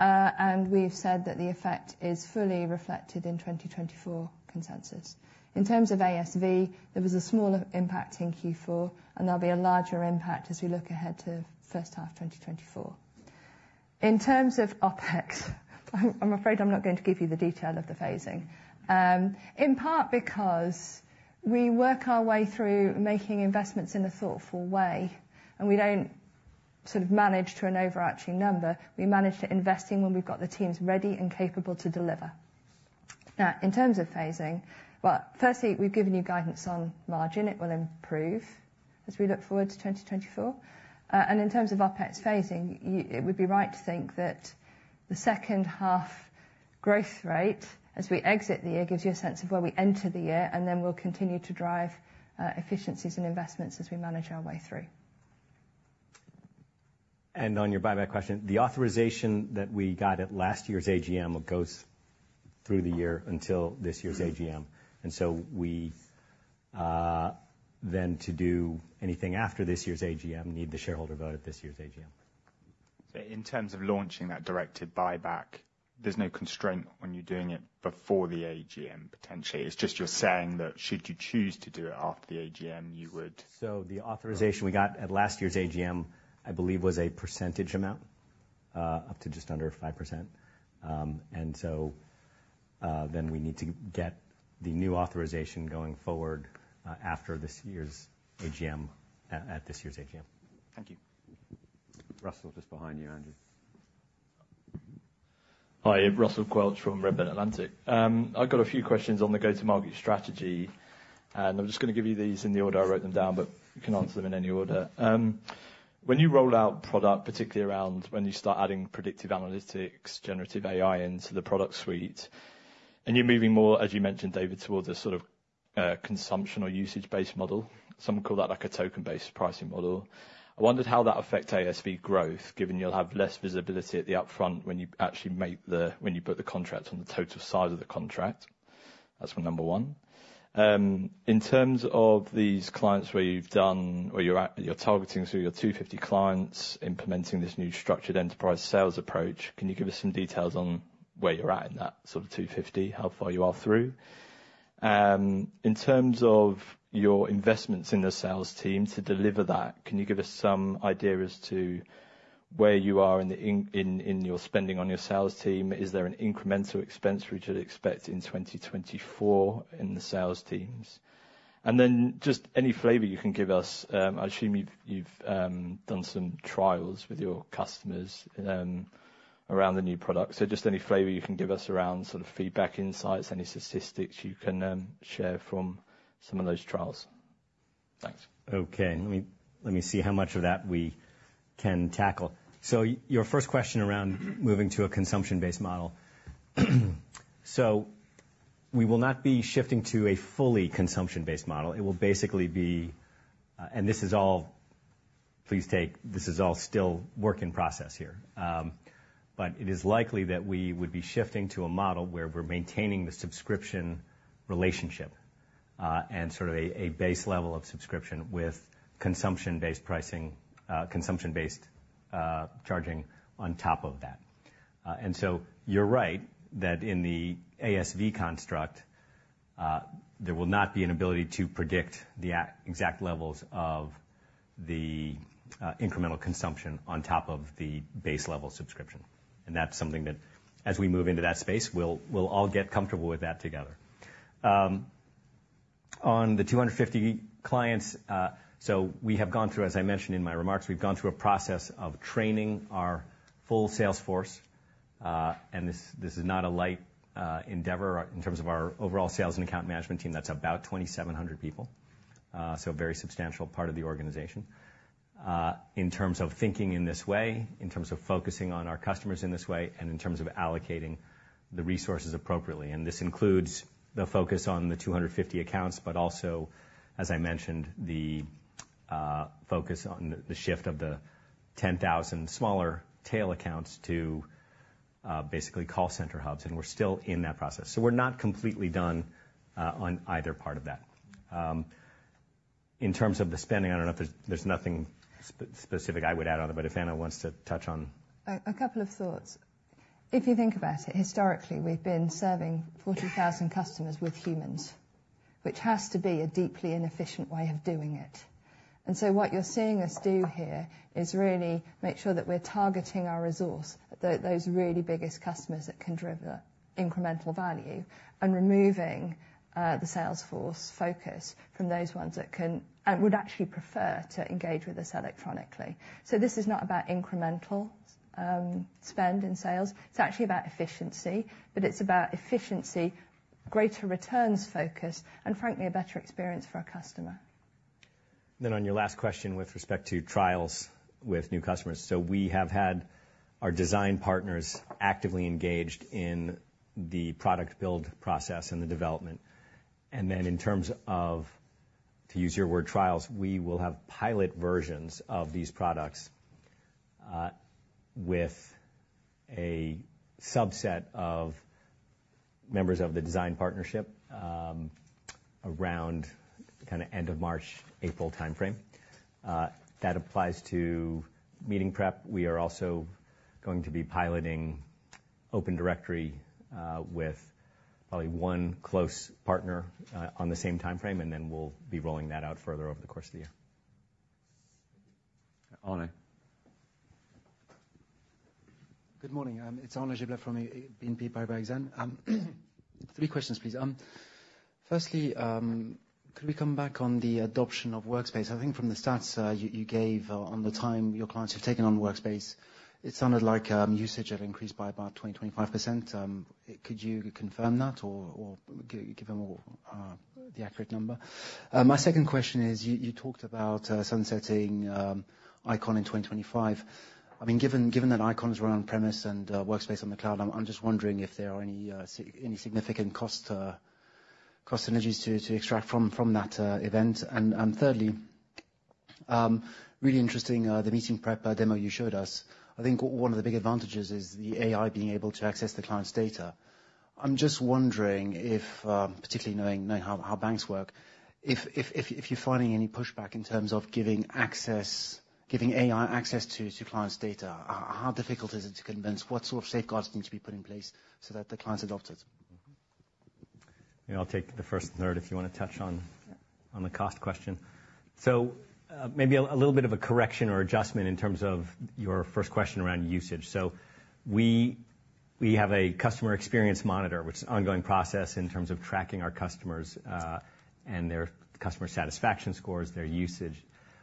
[SPEAKER 2] and we've said that the effect is fully reflected in 2024 consensus. In terms of ASV, there was a smaller impact in Q4, and there'll be a larger impact as we look ahead to first half 2024. In terms of OpEx, I'm afraid I'm not going to give you the detail of the phasing. In part because we work our way through making investments in a thoughtful way, and we don't sort of manage to an overarching number. We manage to investing when we've got the teams ready and capable to deliver. Now, in terms of phasing, well, firstly, we've given you guidance on margin. It will improve as we look forward to 2024. And in terms of OpEx phasing, you, it would be right to think that the second half growth rate as we exit the year, gives you a sense of where we enter the year, and then we'll continue to drive, efficiencies and investments as we manage our way through.
[SPEAKER 1] On your buyback question, the authorization that we got at last year's AGM goes through the year until this year's AGM. And so we then, to do anything after this year's AGM, need the shareholder vote at this year's AGM.
[SPEAKER 7] So in terms of launching that directed buyback, there's no constraint when you're doing it before the AGM, potentially? It's just you're saying that should you choose to do it after the AGM, you would-
[SPEAKER 1] So the authorization we got at last year's AGM, I believe, was a percentage amount, up to just under 5%. And so, then we need to get the new authorization going forward, after this year's AGM at this year's AGM.
[SPEAKER 7] Thank you.
[SPEAKER 4] Russell, just behind you, Andrew.
[SPEAKER 8] Hi, Russell Quelch from Redburn Atlantic. I've got a few questions on the go-to-market strategy, and I'm just gonna give you these in the order I wrote them down, but you can answer them in any order. When you roll out product, particularly around when you start adding predictive analytics, generative AI into the product suite, and you're moving more, as you mentioned, David, towards a sort of, consumption or usage-based model, some call that a token-based pricing model. I wondered how that affect ASV growth, given you'll have less visibility at the upfront when you actually book the contract on the total size of the contract. That's for number one. In terms of these clients where you've done or you're at—you're targeting so your 250 clients, implementing this new structured enterprise sales approach, can you give us some details on where you're at in that sort of 250? How far you are through? In terms of your investments in the sales team to deliver that, can you give us some idea as to where you are in your spending on your sales team? Is there an incremental expense we should expect in 2024 in the sales teams? And then just any flavor you can give us, I assume you've done some trials with your customers around the new product. So just any flavor you can give us around sort of feedback, insights, any statistics you can share from some of those trials? Thanks.
[SPEAKER 1] Okay, let me see how much of that we can tackle. So your first question around moving to a consumption-based model. So we will not be shifting to a fully consumption-based model. It will basically be... and this is all—please take, this is all still work in progress here. But it is likely that we would be shifting to a model where we're maintaining the subscription relationship, and sort of a base level of subscription with consumption-based pricing, consumption-based charging on top of that. And so you're right that in the ASV construct, there will not be an ability to predict the exact levels of the incremental consumption on top of the base level subscription. And that's something that, as we move into that space, we'll all get comfortable with that together. On the 250 clients, so we have gone through, as I mentioned in my remarks, we've gone through a process of training our full sales force, and this, this is not a light endeavor in terms of our overall sales and account management team. That's about 2,700 people. So a very substantial part of the organization in terms of thinking in this way, in terms of focusing on our customers in this way, and in terms of allocating the resources appropriately. And this includes the focus on the 250 accounts, but also, as I mentioned, the focus on the shift of the 10,000 smaller tail accounts to basically call center hubs, and we're still in that process. So we're not completely done on either part of that. In terms of the spending, I don't know if there's nothing specific I would add on it, but if Anna wants to touch on.
[SPEAKER 2] A couple of thoughts. If you think about it, historically, we've been serving 40,000 customers with humans, which has to be a deeply inefficient way of doing it. And so what you're seeing us do here is really make sure that we're targeting our resource at those really biggest customers that can drive incremental value, and removing the sales force focus from those ones that can would actually prefer to engage with us electronically. So this is not about incremental spend in sales. It's actually about efficiency, but it's about efficiency, greater returns focus, and frankly, a better experience for our customer.
[SPEAKER 1] Then on your last question with respect to trials with new customers, so we have had our design partners actively engaged in the product build process and the development. And then in terms of, to use your word, trials, we will have pilot versions of these products, with a subset of members of the design partnership, around kind of end of March, April timeframe. That applies to Meeting Prep. We are also going to be piloting Open Directory, with probably one close partner, on the same timeframe, and then we'll be rolling that out further over the course of the year.
[SPEAKER 4] Arnaud?
[SPEAKER 9] Good morning. It's Arnaud Giblat from BNP Paribas Exane. Three questions, please. Firstly, could we come back on the adoption of Workspace? I think from the stats you gave on the time your clients have taken on Workspace, it sounded like usage have increased by about 20-25%. Could you confirm that or give them all the accurate number? My second question is, you talked about sunsetting Eikon in 2025. I mean, given that Eikon is run on-premise and Workspace on the cloud, I'm just wondering if there are any significant cost synergies to extract from that event. And thirdly, really interesting, the Meeting Prep demo you showed us. I think one of the big advantages is the AI being able to access the client's data. I'm just wondering if, particularly knowing how banks work, if you're finding any pushback in terms of giving AI access to clients' data. How difficult is it to convince? What sort of safeguards need to be put in place so that the clients adopt it?
[SPEAKER 1] Mm-hmm. Yeah, I'll take the first third if you wanna touch on-
[SPEAKER 2] Yeah.
[SPEAKER 1] On the cost question. So, maybe a little bit of a correction or adjustment in terms of your first question around usage. So we have a customer experience monitor, which is an ongoing process in terms of tracking our customers and their customer satisfaction scores, their usage.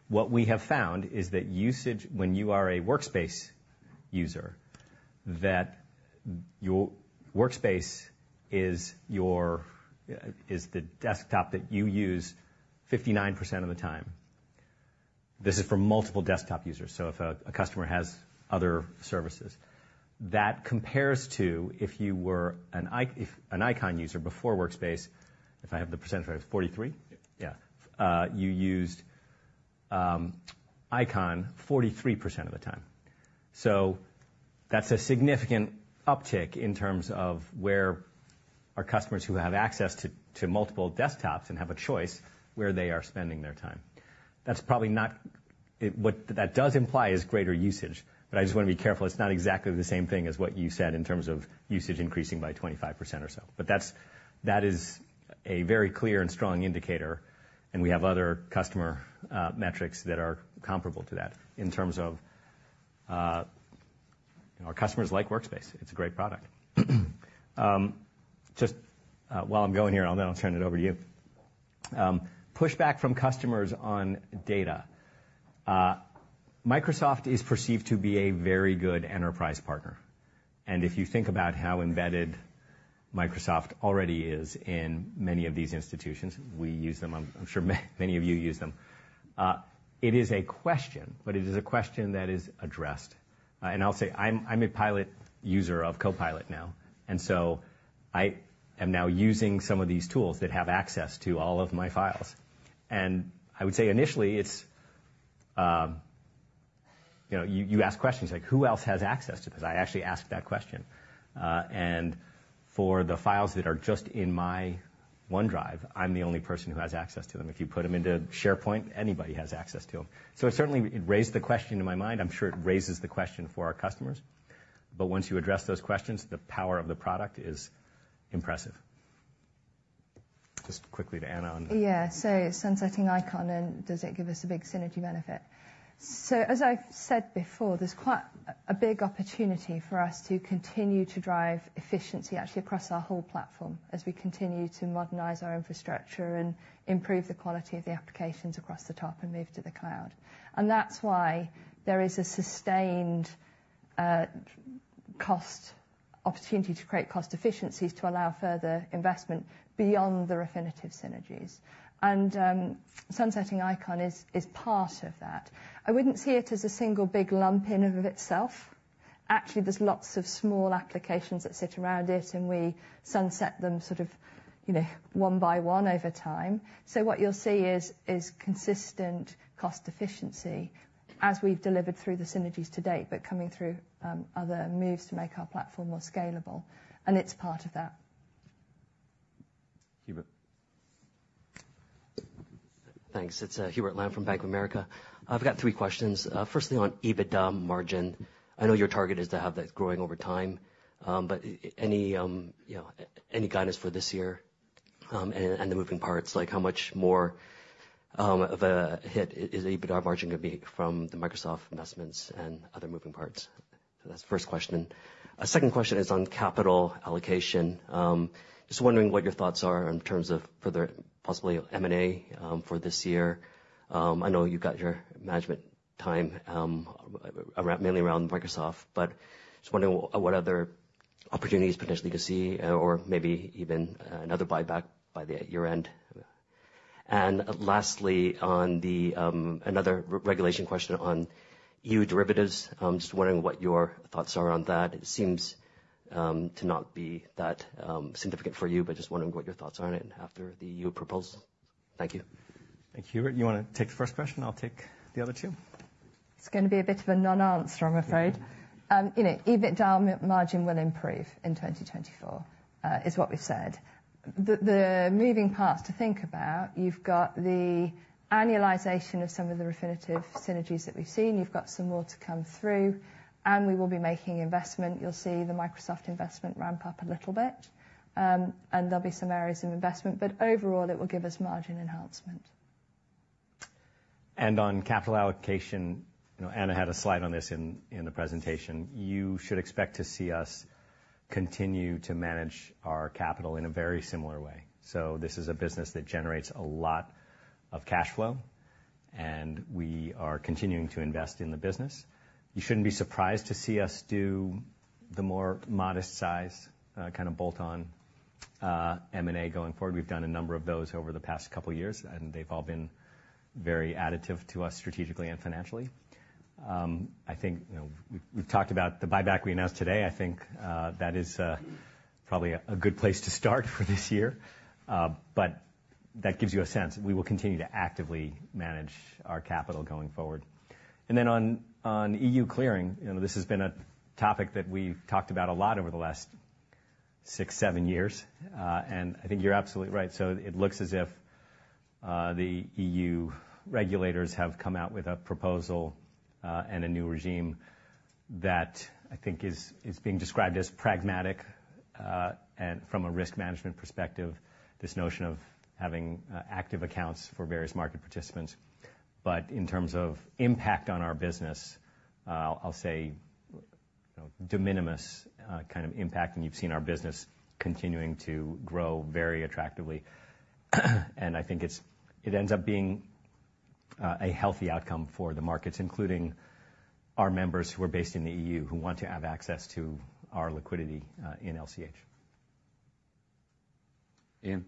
[SPEAKER 1] What we have found is that usage, when you are a Workspace user, that your Workspace is your is the desktop that you use 59% of the time. This is for multiple desktop users, so if a customer has other services. That compares to if you were an Eikon user before Workspace, if I have the percentage right, 43%?
[SPEAKER 9] Yeah.
[SPEAKER 1] Yeah. You used Eikon 43% of the time. So that's a significant uptick in terms of where our customers who have access to, to multiple desktops and have a choice, where they are spending their time. That's probably not... What that does imply is greater usage, but I just want to be careful. It's not exactly the same thing as what you said in terms of usage increasing by 25% or so. But that's, that is a very clear and strong indicator, and we have other customer metrics that are comparable to that in terms of our customers like Workspace. It's a great product. Just while I'm going here, and then I'll turn it over to you. Pushback from customers on data. Microsoft is perceived to be a very good enterprise partner, and if you think about how embedded Microsoft already is in many of these institutions, we use them. I'm sure many of you use them. It is a question, but it is a question that is addressed. And I'll say I'm a pilot user of Copilot now, and so I am now using some of these tools that have access to all of my files. And I would say initially, it's... You know, you ask questions like, "Who else has access to this?" I actually asked that question. And for the files that are just in my OneDrive, I'm the only person who has access to them. If you put them into SharePoint, anybody has access to them. So it certainly raised the question in my mind. I'm sure it raises the question for our customers, but once you address those questions, the power of the product is impressive. Just quickly to Anna on-
[SPEAKER 2] Yeah. So sunsetting Eikon, and does it give us a big synergy benefit? So, as I've said before, there's quite a big opportunity for us to continue to drive efficiency actually across our whole platform as we continue to modernize our infrastructure and improve the quality of the applications across the top and move to the cloud. And that's why there is a sustained cost opportunity to create cost efficiencies to allow further investment beyond the Refinitiv synergies. And sunsetting Eikon is part of that. I wouldn't see it as a single big lump in and of itself. Actually, there's lots of small applications that sit around it, and we sunset them sort of, you know, one by one over time. So what you'll see is consistent cost efficiency as we've delivered through the synergies to date, but coming through other moves to make our platform more scalable, and it's part of that.
[SPEAKER 4] Hubert.
[SPEAKER 10] Thanks. It's Hubert Lam from Bank of America. I've got three questions. Firstly, on EBITDA margin, I know your target is to have that growing over time, but any, you know, any guidance for this year, and the moving parts? Like, how much more of a hit is EBITDA margin gonna be from the Microsoft investments and other moving parts? That's the first question. Second question is on capital allocation. Just wondering what your thoughts are in terms of further, possibly M&A, for this year. I know you've got your management time around, mainly around Microsoft, but just wondering what other opportunities potentially to see or maybe even another buyback by the year-end. And lastly, on the another re-regulation question on EU derivatives. Just wondering what your thoughts are on that. It seems to not be that significant for you, but just wondering what your thoughts are on it after the EU proposal. Thank you.
[SPEAKER 1] Thank you, Hubert. You wanna take the first question? I'll take the other two.
[SPEAKER 2] It's gonna be a bit of a non-answer, I'm afraid. You know, EBITDA margin will improve in 2024, is what we've said. The moving parts to think about, you've got the annualization of some of the Refinitiv synergies that we've seen. You've got some more to come through, and we will be making investment. You'll see the Microsoft investment ramp up a little bit, and there'll be some areas of investment, but overall, it will give us margin enhancement.
[SPEAKER 1] On capital allocation, you know, Anna had a slide on this in the presentation. You should expect to see us continue to manage our capital in a very similar way. So this is a business that generates a lot of cash flow, and we are continuing to invest in the business. You shouldn't be surprised to see us do the more modest size, kind of bolt on, M&A going forward. We've done a number of those over the past couple of years, and they've all been very additive to us strategically and financially. I think, you know, we've talked about the buyback we announced today. I think that is probably a good place to start for this year, but that gives you a sense. We will continue to actively manage our capital going forward. Then on EU clearing, you know, this has been a topic that we've talked about a lot over the last 6, 7 years, and I think you're absolutely right. So it looks as if the EU regulators have come out with a proposal and a new regime that I think is being described as pragmatic. And from a risk management perspective, this notion of having active accounts for various market participants. But in terms of impact on our business, I'll say, you know, de minimis kind of impact, and you've seen our business continuing to grow very attractively. And I think it ends up being a healthy outcome for the markets, including our members who are based in the EU, who want to have access to our liquidity in LCH.
[SPEAKER 4] Ian?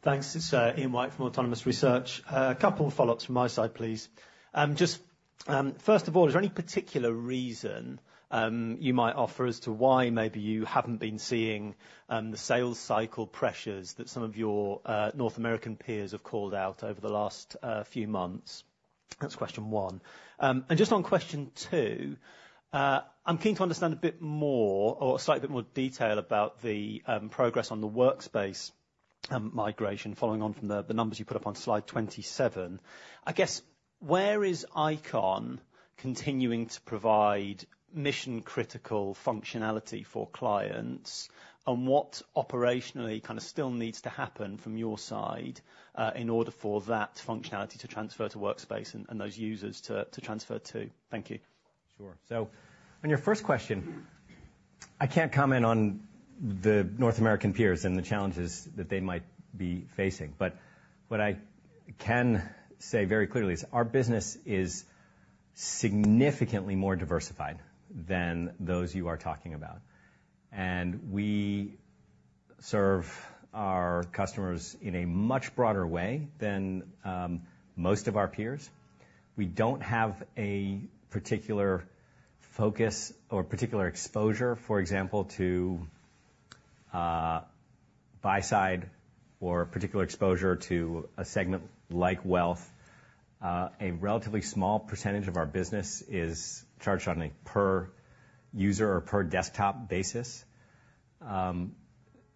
[SPEAKER 11] Thanks. It's Ian White from Autonomous Research. A couple of follow-ups from my side, please. Just first of all, is there any particular reason you might offer as to why maybe you haven't been seeing the sales cycle pressures that some of your North American peers have called out over the last few months? That's question one. And just on question two, I'm keen to understand a bit more or a slight bit more detail about the progress on the Workspace migration, following on from the numbers you put up on slide 27. I guess, where is Eikon continuing to provide mission-critical functionality for clients? And what operationally kind of still needs to happen from your side in order for that functionality to transfer to Workspace and those users to transfer, too? Thank you.
[SPEAKER 1] Sure. On your first question, I can't comment on the North American peers and the challenges that they might be facing, but what I can say very clearly is our business is significantly more diversified than those you are talking about, and we serve our customers in a much broader way than most of our peers. We don't have a particular focus or particular exposure, for example, to buy side or particular exposure to a segment like wealth. A relatively small percentage of our business is charged on a per user or per desktop basis.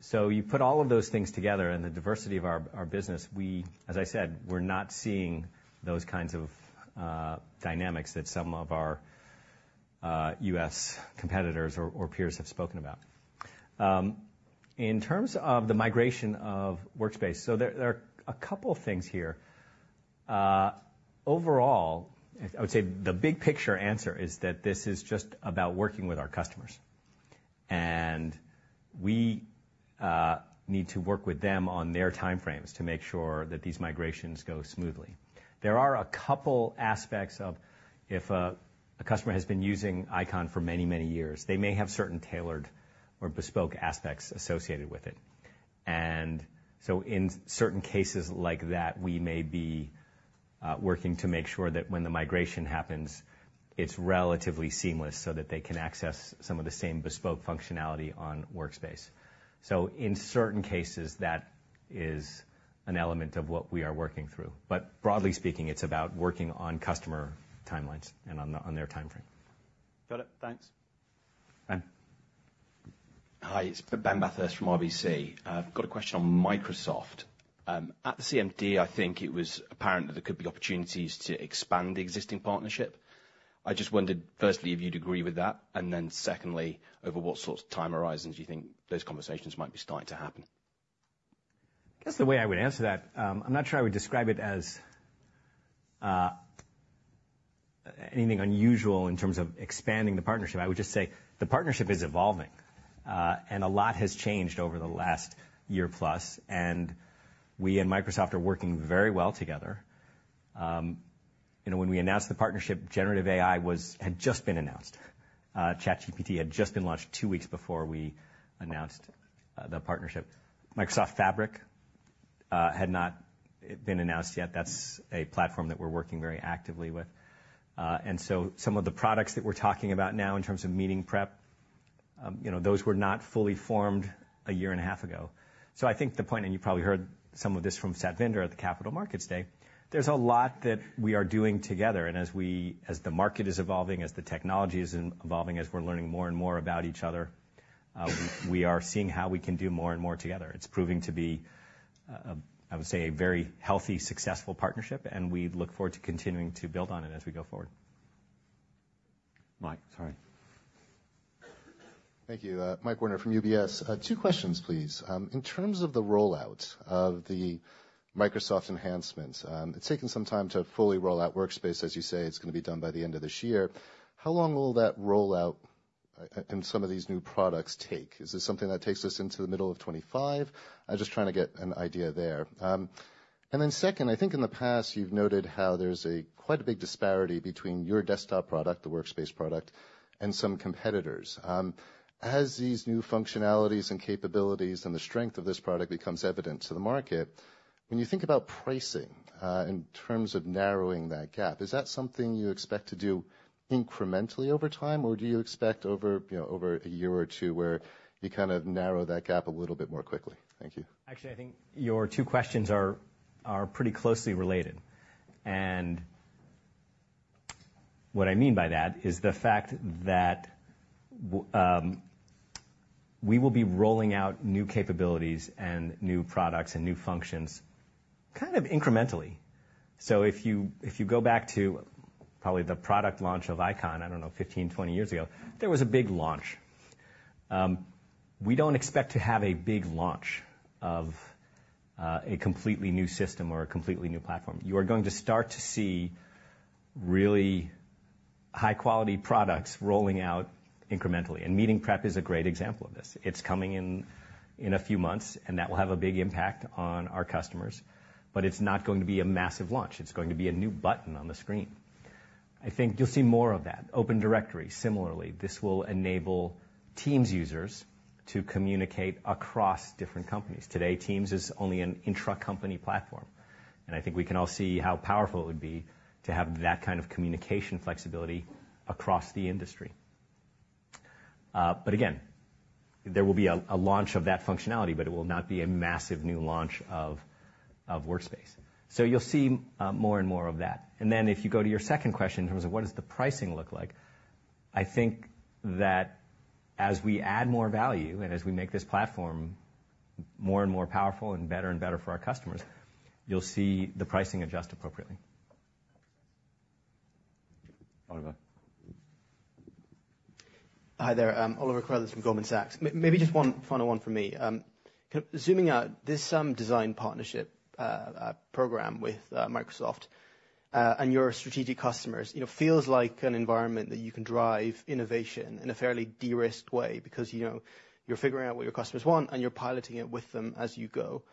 [SPEAKER 1] So you put all of those things together and the diversity of our business, we, as I said, we're not seeing those kinds of dynamics that some of our U.S. competitors or peers have spoken about. In terms of the migration of Workspace, so there are a couple of things here. Overall, I would say the big-picture answer is that this is just about working with our customers...and we need to work with them on their time frames to make sure that these migrations go smoothly. There are a couple aspects of if a customer has been using Eikon for many, many years, they may have certain tailored or bespoke aspects associated with it. And so in certain cases like that, we may be working to make sure that when the migration happens, it's relatively seamless so that they can access some of the same bespoke functionality on Workspace. So in certain cases, that is an element of what we are working through, but broadly speaking, it's about working on customer timelines and on their time frame.
[SPEAKER 11] Got it. Thanks.
[SPEAKER 4] Ben?
[SPEAKER 12] Hi, it's Ben Bathurst from RBC. I've got a question on Microsoft. At the CMD, I think it was apparent that there could be opportunities to expand the existing partnership. I just wondered, firstly, if you'd agree with that, and then secondly, over what sort of time horizons you think those conversations might be starting to happen?
[SPEAKER 1] I guess the way I would answer that, I'm not sure I would describe it as anything unusual in terms of expanding the partnership. I would just say the partnership is evolving, and a lot has changed over the last year plus, and we and Microsoft are working very well together. You know, when we announced the partnership, generative AI had just been announced. ChatGPT had just been launched two weeks before we announced the partnership. Microsoft Fabric had not been announced yet. That's a platform that we're working very actively with. And so some of the products that we're talking about now in terms of Meeting Prep, you know, those were not fully formed a year and a half ago. So I think the point, and you probably heard some of this from Satya Nadella at the Capital Markets Day, there's a lot that we are doing together, and as the market is evolving, as the technology is evolving, as we're learning more and more about each other, we are seeing how we can do more and more together. It's proving to be, I would say, a very healthy, successful partnership, and we look forward to continuing to build on it as we go forward.
[SPEAKER 4] Mike, sorry.
[SPEAKER 13] Thank you. Mike Werner from UBS. Two questions, please. In terms of the rollout of the Microsoft enhancements, it's taken some time to fully roll out Workspace. As you say, it's gonna be done by the end of this year. How long will that rollout and some of these new products take? Is this something that takes us into the middle of 2025? I'm just trying to get an idea there. And then second, I think in the past, you've noted how there's a quite a big disparity between your desktop product, the Workspace product, and some competitors. As these new functionalities and capabilities and the strength of this product becomes evident to the market, when you think about pricing, in terms of narrowing that gap, is that something you expect to do incrementally over time, or do you expect over, you know, over a year or two, where you kind of narrow that gap a little bit more quickly? Thank you.
[SPEAKER 1] Actually, I think your two questions are pretty closely related. And what I mean by that is the fact that we will be rolling out new capabilities and new products and new functions kind of incrementally. So if you go back to probably the product launch of Eikon, I don't know, 15, 20 years ago, there was a big launch. We don't expect to have a big launch of a completely new system or a completely new platform. You are going to start to see really high-quality products rolling out incrementally, and Meeting Prep is a great example of this. It's coming in a few months, and that will have a big impact on our customers, but it's not going to be a massive launch. It's going to be a new button on the screen. I think you'll see more of that. Open Directory, similarly, this will enable Teams users to communicate across different companies. Today, Teams is only an intracompany platform, and I think we can all see how powerful it would be to have that kind of communication flexibility across the industry. But again, there will be a launch of that functionality, but it will not be a massive new launch of Workspace. So you'll see more and more of that. And then if you go to your second question, in terms of what does the pricing look like, I think that as we add more value and as we make this platform more and more powerful and better and better for our customers, you'll see the pricing adjust appropriately.
[SPEAKER 4] Oliver.
[SPEAKER 14] Hi there, Oliver Carruthers from Goldman Sachs. Maybe just one final one from me. Zooming out, this design partnership program with Microsoft and your strategic customers, you know, feels like an environment that you can drive innovation in a fairly de-risked way because, you know, you're figuring out what your customers want, and you're piloting it with them as you go.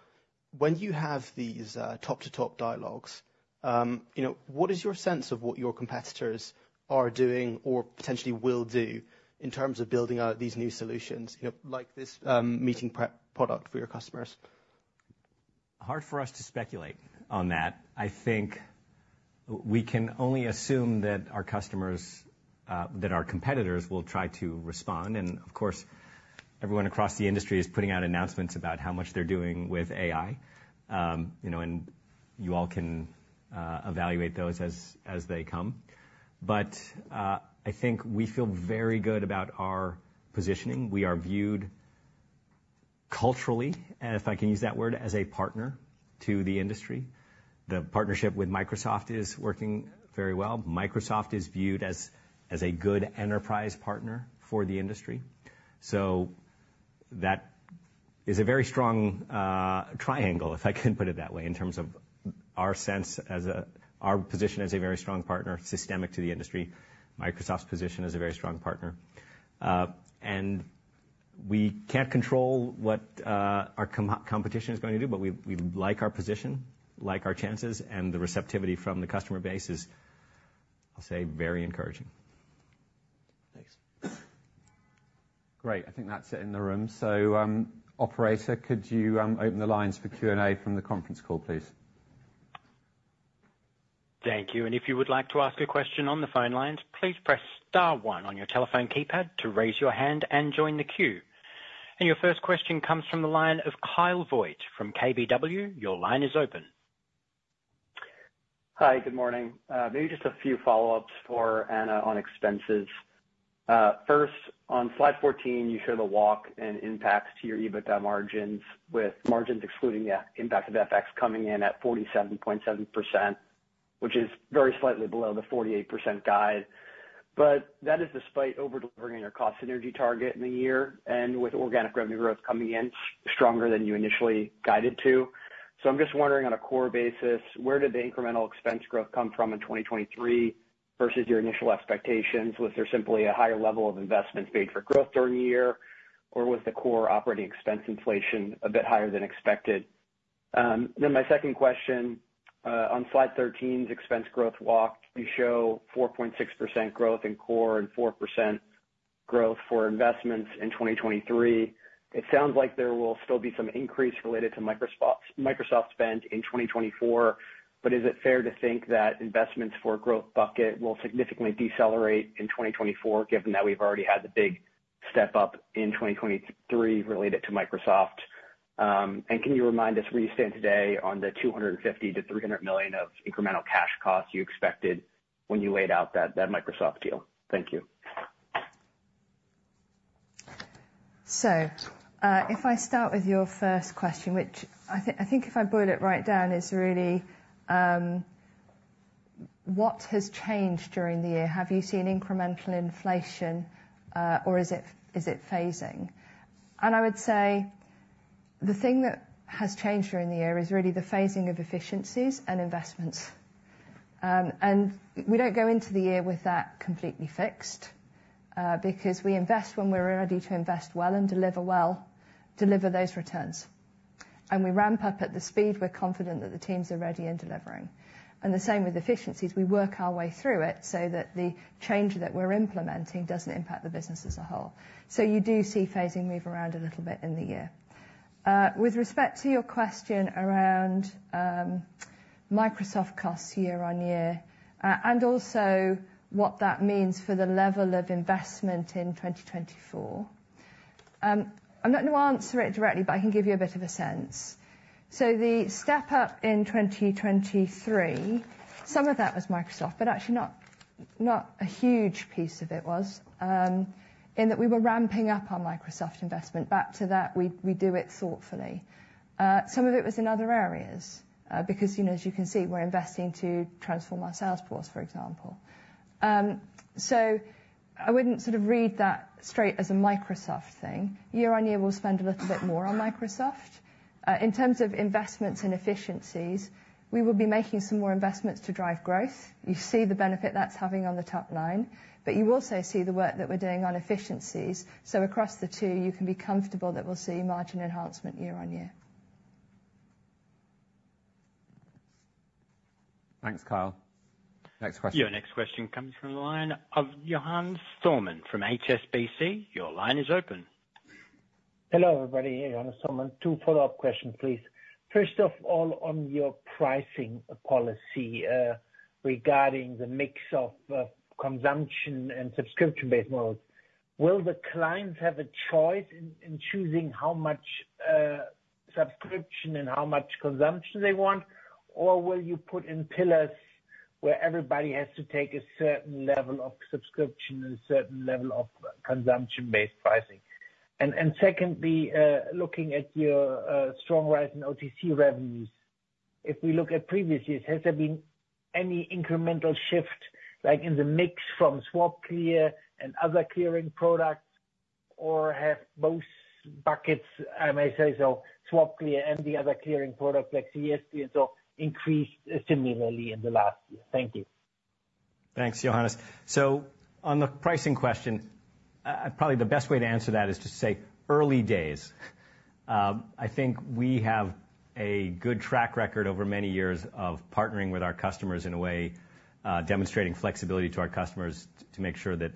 [SPEAKER 14] When you have these top-to-top dialogues, you know, what is your sense of what your competitors are doing or potentially will do in terms of building out these new solutions, you know, like this Meeting Prep product for your customers?
[SPEAKER 1] Hard for us to speculate on that. I think we can only assume that our customers, that our competitors will try to respond. And of course, everyone across the industry is putting out announcements about how much they're doing with AI. You know, and you all can evaluate those as they come. But I think we feel very good about our positioning. We are viewed culturally, and if I can use that word, as a partner to the industry. The partnership with Microsoft is working very well. Microsoft is viewed as a good enterprise partner for the industry. That is a very strong triangle, if I can put it that way, in terms of our sense as our position as a very strong partner, systemic to the industry, Microsoft's position as a very strong partner. We can't control what our competition is going to do, but we like our position, like our chances, and the receptivity from the customer base is, I'll say, very encouraging.
[SPEAKER 4] Thanks. Great. I think that's it in the room. So, operator, could you open the lines for Q&A from the conference call, please?
[SPEAKER 15] Thank you, and if you would like to ask a question on the phone lines, please press star one on your telephone keypad to raise your hand and join the queue. Your first question comes from the line of Kyle Voigt from KBW. Your line is open.
[SPEAKER 16] Hi, good morning. Maybe just a few follow-ups for Anna on expenses. First, on slide 14, you show the walk and impacts to your EBITDA margins, with margins excluding the impact of FX coming in at 47.7%, which is very slightly below the 48% guide. But that is despite over-delivering your cost synergy target in the year and with organic revenue growth coming in stronger than you initially guided to. So I'm just wondering, on a core basis, where did the incremental expense growth come from in 2023 versus your initial expectations? Was there simply a higher level of investments made for growth during the year, or was the core operating expense inflation a bit higher than expected? Then my second question, on slide 13's expense growth walk, you show 4.6% growth in core and 4% growth for investments in 2023. It sounds like there will still be some increase related to Microsoft spend in 2024, but is it fair to think that investments for growth bucket will significantly decelerate in 2024, given that we've already had the big step up in 2023 related to Microsoft? And can you remind us where you stand today on the 250 million-300 million of incremental cash costs you expected when you laid out that Microsoft deal? Thank you.
[SPEAKER 2] So, if I start with your first question, which I think, I think if I boil it right down, it's really what has changed during the year? Have you seen incremental inflation, or is it phasing? And I would say the thing that has changed during the year is really the phasing of efficiencies and investments. And we don't go into the year with that completely fixed, because we invest when we're ready to invest well and deliver well, deliver those returns. And we ramp up at the speed we're confident that the teams are ready and delivering. And the same with efficiencies. We work our way through it so that the change that we're implementing doesn't impact the business as a whole. So you do see phasing move around a little bit in the year. With respect to your question around Microsoft costs year-on-year, and also what that means for the level of investment in 2023, I'm not going to answer it directly, but I can give you a bit of a sense. So the step up in 2023, some of that was Microsoft, but actually not a huge piece of it was in that we were ramping up our Microsoft investment. Back to that, we do it thoughtfully. Some of it was in other areas because, you know, as you can see, we're investing to transform our sales force, for example. So I wouldn't sort of read that straight as a Microsoft thing. year-on-year, we'll spend a little bit more on Microsoft. In terms of investments and efficiencies, we will be making some more investments to drive growth. You see the benefit that's having on the top line, but you also see the work that we're doing on efficiencies. So across the two, you can be comfortable that we'll see margin enhancement year-on-year.
[SPEAKER 1] Thanks, Kyle. Next question.
[SPEAKER 15] Your next question comes from the line of Johannes Thormann from HSBC. Your line is open.
[SPEAKER 17] Hello, everybody, Johannes Thormann. Two follow-up questions, please. First off, all on your pricing policy, regarding the mix of, consumption and subscription-based models. Will the clients have a choice in, choosing how much, subscription and how much consumption they want? Or will you put in pillars where everybody has to take a certain level of subscription and a certain level of consumption-based pricing? And, secondly, looking at your, strong rise in OTC revenues, if we look at previous years, has there been any incremental shift, like in the mix from SwapClear and other clearing products, or have both buckets, I may say so, SwapClear and the other clearing products, like CSP and so, increased similarly in the last year? Thank you.
[SPEAKER 1] Thanks, Johannes. So on the pricing question, probably the best way to answer that is to say, early days. I think we have a good track record over many years of partnering with our customers in a way, demonstrating flexibility to our customers to make sure that,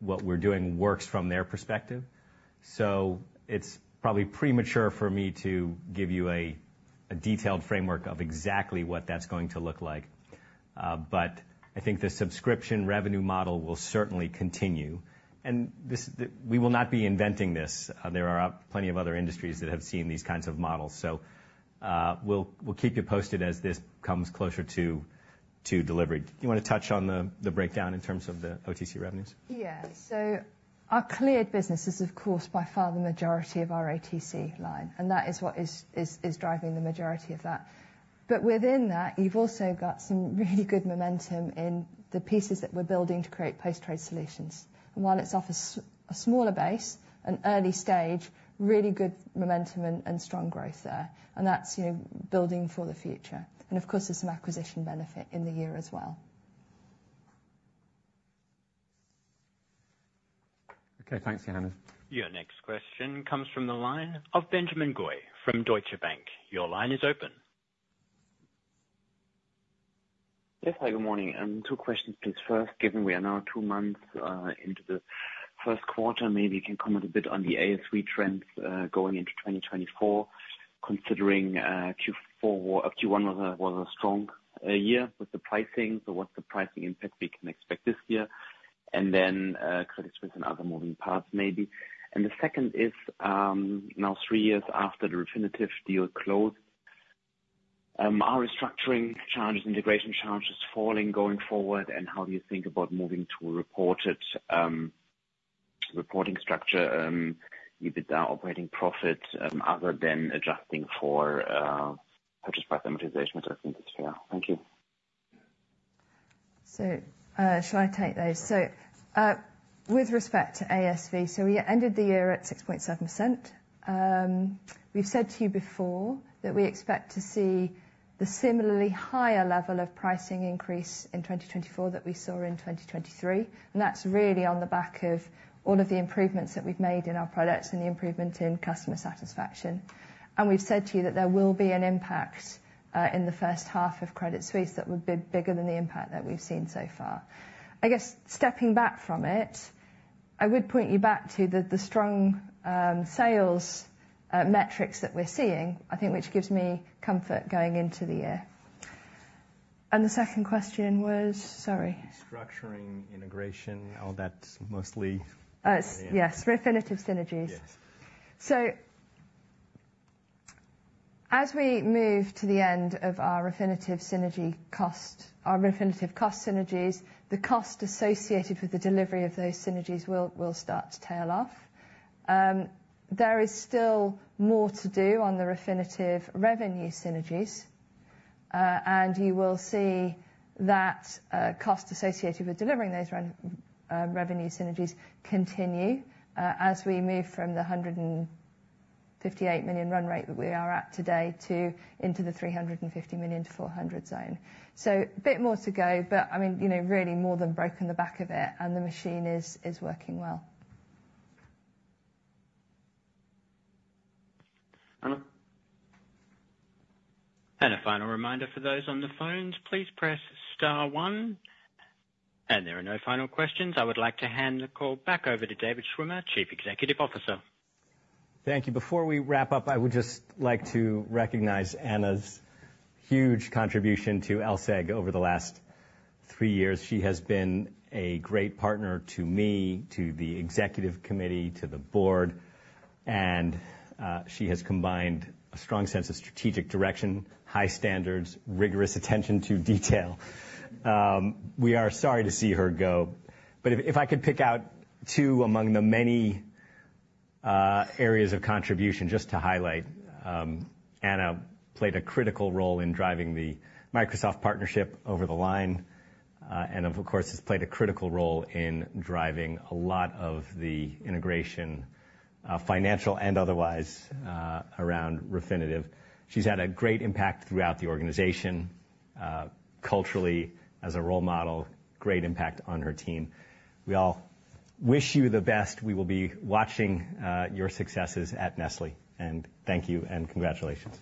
[SPEAKER 1] what we're doing works from their perspective. So it's probably premature for me to give you a detailed framework of exactly what that's going to look like. But I think the subscription revenue model will certainly continue, and this, we will not be inventing this. There are plenty of other industries that have seen these kinds of models. So, we'll keep you posted as this comes closer to delivery. Do you want to touch on the breakdown in terms of the OTC revenues?
[SPEAKER 2] Yeah. So our cleared business is, of course, by far the majority of our OTC line, and that is what is driving the majority of that. But within that, you've also got some really good momentum in the pieces that we're building to create post-trade solutions. And while it's off a smaller base, an early stage, really good momentum and strong growth there. And that's, you know, building for the future. And of course, there's some acquisition benefit in the year as well.
[SPEAKER 1] Okay, thanks, Anna.
[SPEAKER 15] Your next question comes from the line of Benjamin Goy from Deutsche Bank. Your line is open.
[SPEAKER 18] Yes. Hi, good morning. Two questions, please. First, given we are now two months into the first quarter, maybe you can comment a bit on the ASV trends going into 2024, considering Q4, Q1 was a strong year with the pricing, so what's the pricing impact we can expect this year? And then, Credit Suisse and other moving parts maybe. And the second is, now three years after the Refinitiv deal closed, are restructuring challenges, integration challenges falling going forward, and how do you think about moving to a reported reporting structure, EBITDA operating profit, other than adjusting for purchase price amortization, I think is fair? Thank you.
[SPEAKER 2] So, shall I take those? So, with respect to ASV, so we ended the year at 6.7%. We've said to you before that we expect to see the similarly higher level of pricing increase in 2024 that we saw in 2023, and that's really on the back of all of the improvements that we've made in our products and the improvement in customer satisfaction. And we've said to you that there will be an impact, in the first half of Credit Suisse that would be bigger than the impact that we've seen so far. I guess stepping back from it, I would point you back to the, the strong, sales, metrics that we're seeing, I think, which gives me comfort going into the year. And the second question was? Sorry.
[SPEAKER 1] Restructuring, integration, all that mostly-
[SPEAKER 2] Yes, Refinitiv synergies.
[SPEAKER 1] Yes.
[SPEAKER 2] So as we move to the end of our Refinitiv synergy cost, our Refinitiv cost synergies, the cost associated with the delivery of those synergies will start to tail off. There is still more to do on the Refinitiv revenue synergies, and you will see that cost associated with delivering those revenue synergies continue, as we move from the 158 million run rate that we are at today to into the 350 million-400 million zone. So a bit more to go, but I mean, you know, really more than broken the back of it, and the machine is working well.
[SPEAKER 1] Anna?
[SPEAKER 15] A final reminder for those on the phones, please press star one. There are no final questions. I would like to hand the call back over to David Schwimmer, Chief Executive Officer.
[SPEAKER 1] Thank you. Before we wrap up, I would just like to recognize Anna's huge contribution to LSEG over the last three years. She has been a great partner to me, to the executive committee, to the board, and she has combined a strong sense of strategic direction, high standards, rigorous attention to detail. We are sorry to see her go, but if I could pick out two among the many areas of contribution just to highlight, Anna played a critical role in driving the Microsoft partnership over the line, and of course, has played a critical role in driving a lot of the integration, financial and otherwise, around Refinitiv. She's had a great impact throughout the organization, culturally, as a role model, great impact on her team. We all wish you the best. We will be watching your successes at Nestlé, and thank you, and congratulations.